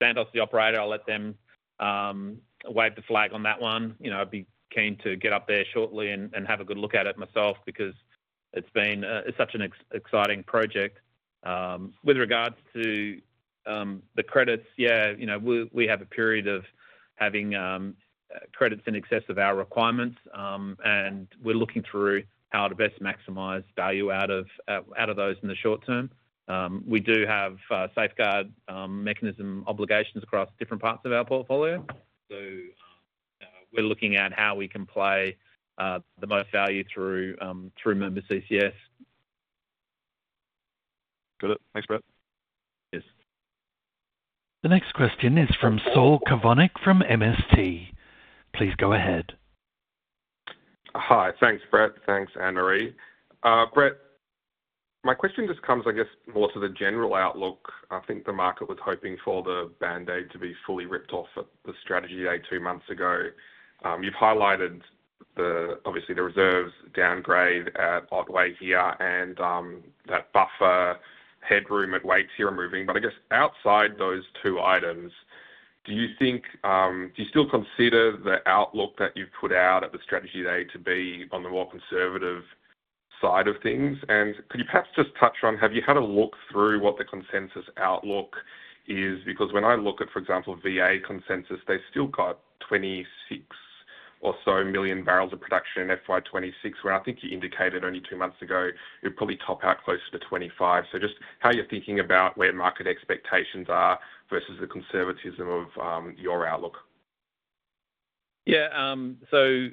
Santos, the operator. I'll let them wave the flag on that one. I'd be keen to get up there shortly and have a good look at it myself because it's been such an exciting project. With regards to the credits, yeah, we have a period of having credits in excess of our requirements, and we're looking through how to best maximize value out of those in the short term. We do have safeguard mechanism obligations across different parts of our portfolio. So, we're looking at how we can play the most value through Moomba CCS. Got it. Thanks, Brett. Yes. The next question is from Saul Kavonic from MST. Please go ahead. Hi. Thanks, Brett. Thanks, Anne-Marie. Brett, my question just comes, I guess, more to the general outlook. I think the market was hoping for the band-aid to be fully ripped off at the strategy day two months ago. You've highlighted, obviously, the reserves downgrade at Otway here and that buffer headroom at Waitsia are moving. But I guess outside those two items, do you still consider the outlook that you've put out at the strategy day to be on the more conservative side of things? And could you perhaps just touch on, have you had a look through what the consensus outlook is? Because when I look at, for example, VA consensus, they've still got 26 or so million barrels of production in FY26, where I think you indicated only 2 months ago it would probably top out closer to 25. So, just how you're thinking about where market expectations are versus the conservatism of your outlook. Yeah. So,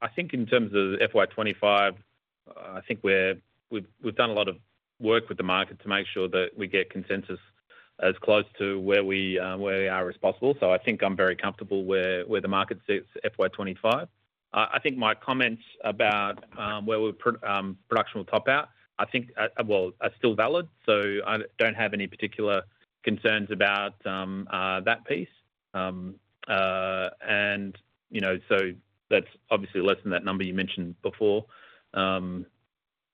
I think in terms of FY25, I think we've done a lot of work with the market to make sure that we get consensus as close to where we are as possible. So, I think I'm very comfortable where the market sits FY25. I think my comments about where production will top out, I think, well, are still valid. So, I don't have any particular concerns about that piece. And so, that's obviously less than that number you mentioned before. I'm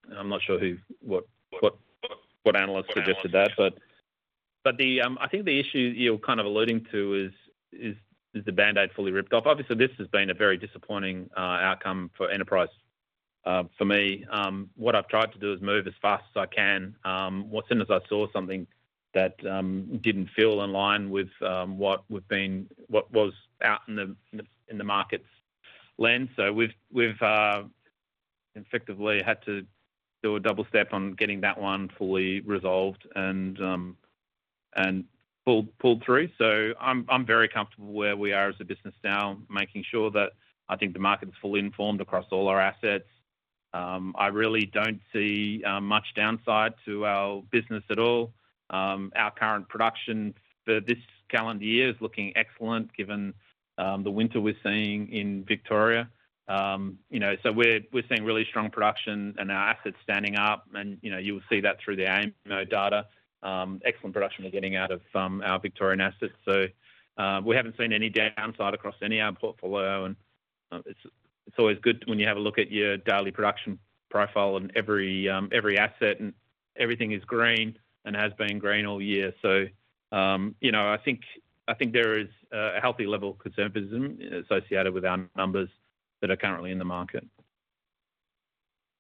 not sure what analysts suggested that. But I think the issue you're kind of alluding to is the band-aid fully ripped off. Obviously, this has been a very disappointing outcome for Enterprise for me. What I've tried to do is move as fast as I can, as soon as I saw something that didn't feel in line with what was out in the market's lens. So, we've effectively had to do a double step on getting that one fully resolved and pulled through. So, I'm very comfortable where we are as a business now, making sure that I think the market is fully informed across all our assets. I really don't see much downside to our business at all. Our current production for this calendar year is looking excellent given the winter we're seeing in Victoria. So, we're seeing really strong production and our assets standing up. And you will see that through the AEMO data. Excellent production we're getting out of our Victorian assets. So, we haven't seen any downside across any of our portfolio. And it's always good when you have a look at your daily production profile and every asset and everything is green and has been green all year. So, I think there is a healthy level of conservatism associated with our numbers that are currently in the market.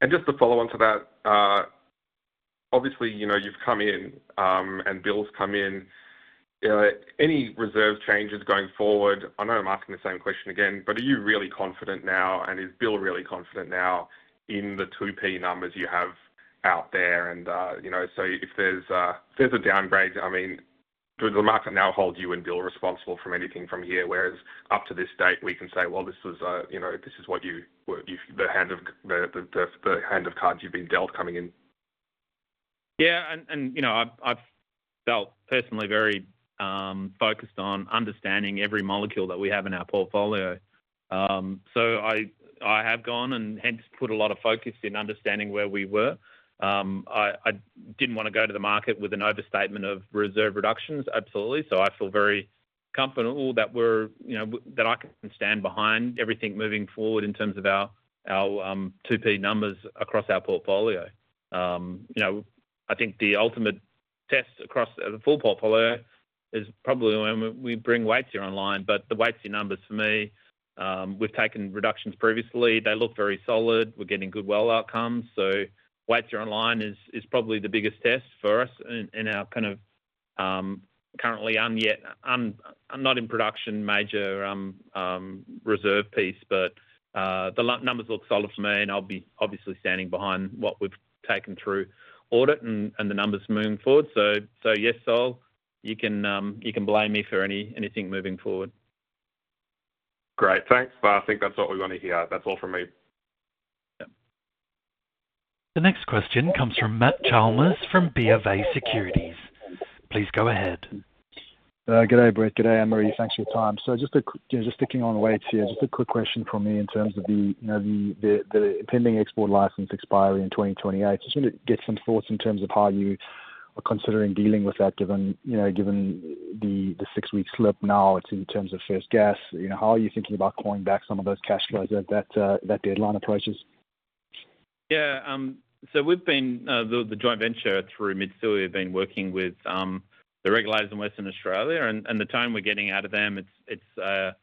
And just to follow on to that, obviously, you've come in and Bill's come in. Any reserve changes going forward? I know I'm asking the same question again, but are you really confident now? And is Bill really confident now in the 2P numbers you have out there? And so, if there's a downgrade, I mean, does the market now hold you and Bill responsible from anything from here? Whereas up to this date, we can say, "Well, this is what, the hand of cards you've been dealt coming in." Yeah. And I've felt personally very focused on understanding every molecule that we have in our portfolio. So, I have gone and hence put a lot of focus in understanding where we were. I didn't want to go to the market with an overstatement of reserve reductions, absolutely. So, I feel very comfortable that I can stand behind everything moving forward in terms of our 2P numbers across our portfolio. I think the ultimate test across the full portfolio is probably when we bring Waitsia online. But the Waitsia numbers for me, we've taken reductions previously. They look very solid. We're getting good well outcomes. So, Waitsia online is probably the biggest test for us in our kind of currently as yet not in production major reserve piece. But the numbers look solid for me, and I'll be obviously standing behind what we've taken through audit and the numbers moving forward. So, yes, Saul, you can blame me for anything moving forward. Great. Thanks. I think that's all we want to hear. That's all from me. The next question comes from Matt Chalmers from Bank of America Securities. Please go ahead. Good day, Brett. Good day, Anne-Marie. Thanks for your time. So, just sticking on Waitsia, just a quick question for me in terms of the pending export license expiry in 2028. Just want to get some thoughts in terms of how you are considering dealing with that given the 6-week slip now in terms of first gas. How are you thinking about calling back some of those cash flows as that deadline approaches? Yeah. So, we've been the joint venture through Mitsui have been working with the regulators in Western Australia. And the tone we're getting out of them, they're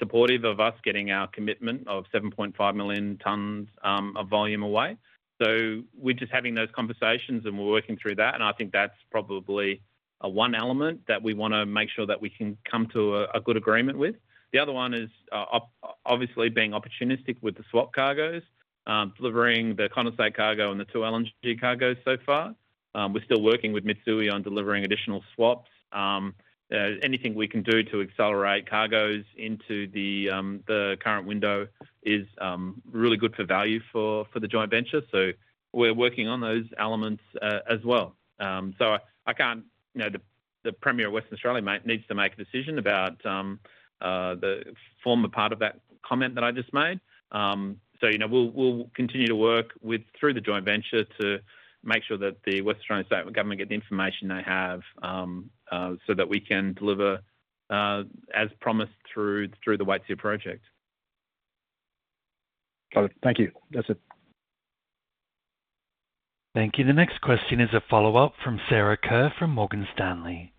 supportive of us getting our commitment of 7.5 million tons of volume away. So, we're just having those conversations, and we're working through that. And I think that's probably one element that we want to make sure that we can come to a good agreement with. The other one is obviously being opportunistic with the swap cargoes, delivering the condensate cargo and the 2 LNG cargoes so far. We're still working with Mitsui on delivering additional swaps. Anything we can do to accelerate cargoes into the current window is really good for value for the joint venture. So, we're working on those elements as well. So, I can't. The Premier of Western Australia needs to make a decision about the former part of that comment that I just made. So, we'll continue to work through the joint venture to make sure that the Western Australian State Government get the information they have so that we can deliver as promised through the Waitsia project. Got it. Thank you. That's it. Thank you. The next question is a follow-up from Sarah Kerr from Morgan Stanley.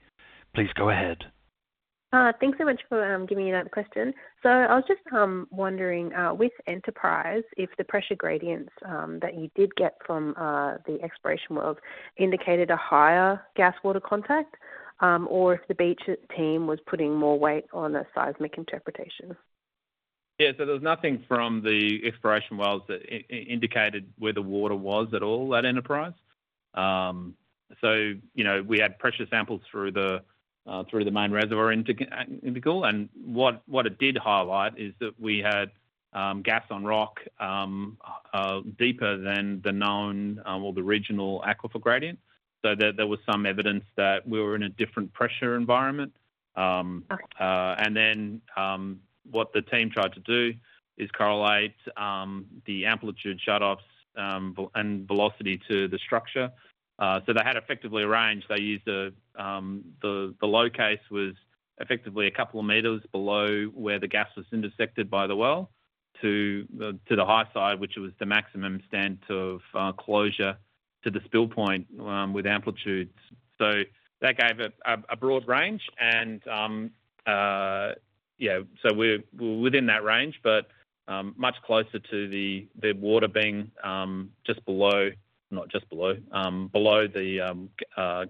Please go ahead. Thanks so much for giving me that question. So, I was just wondering with Enterprise, if the pressure gradients that you did get from the exploration wells indicated a higher gas water contact or if the Beach team was putting more weight on the seismic interpretation. Yeah. So, there was nothing from the exploration wells that indicated where the water was at all at Enterprise. So, we had pressure samples through the main reservoir interval. And what it did highlight is that we had gas on rock deeper than the known or the regional aquifer gradient. So, there was some evidence that we were in a different pressure environment. And then what the team tried to do is correlate the amplitude shutoffs and velocity to the structure. So, they had effectively arranged they used the low case was effectively a couple of meters below where the gas was intersected by the well to the high side, which was the maximum standard of closure to the spill point with amplitudes. So ,that gave a broad range. And yeah, so, we're within that range, but much closer to the water being just below, not just below, below the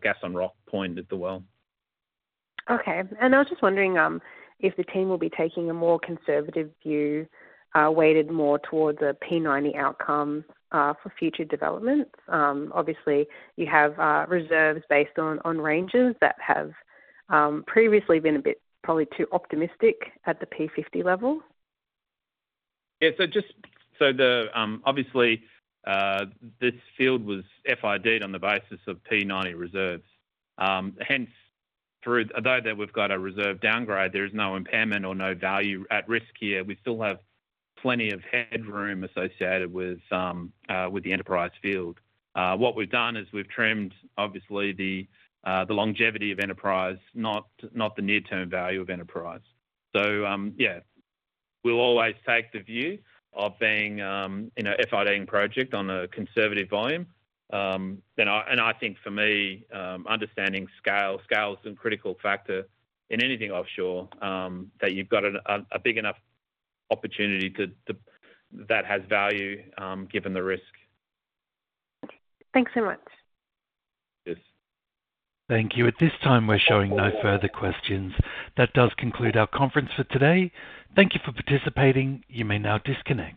gas on rock point at the well. Okay. And I was just wondering if the team will be taking a more conservative view, weighted more towards a P90 outcome for future development. Obviously, you have reserves based on ranges that have previously been a bit probably too optimistic at the P50 level. Yeah. So, obviously, this field was FID'd on the basis of P90 reserves. Hence, although we've got a reserve downgrade, there is no impairment or no value at risk here. We still have plenty of headroom associated with the Enterprise field. What we've done is we've trimmed, obviously, the longevity of Enterprise, not the near-term value of Enterprise. So, yeah, we'll always take the view of being an FID'ing project on a conservative volume. And I think for me, understanding scale is a critical factor in anything offshore that you've got a big enough opportunity that has value given the risk. Thanks so much. Yes. Thank you. At this time, we're showing no further questions. That does conclude our conference for today. Thank you for participating. You may now disconnect.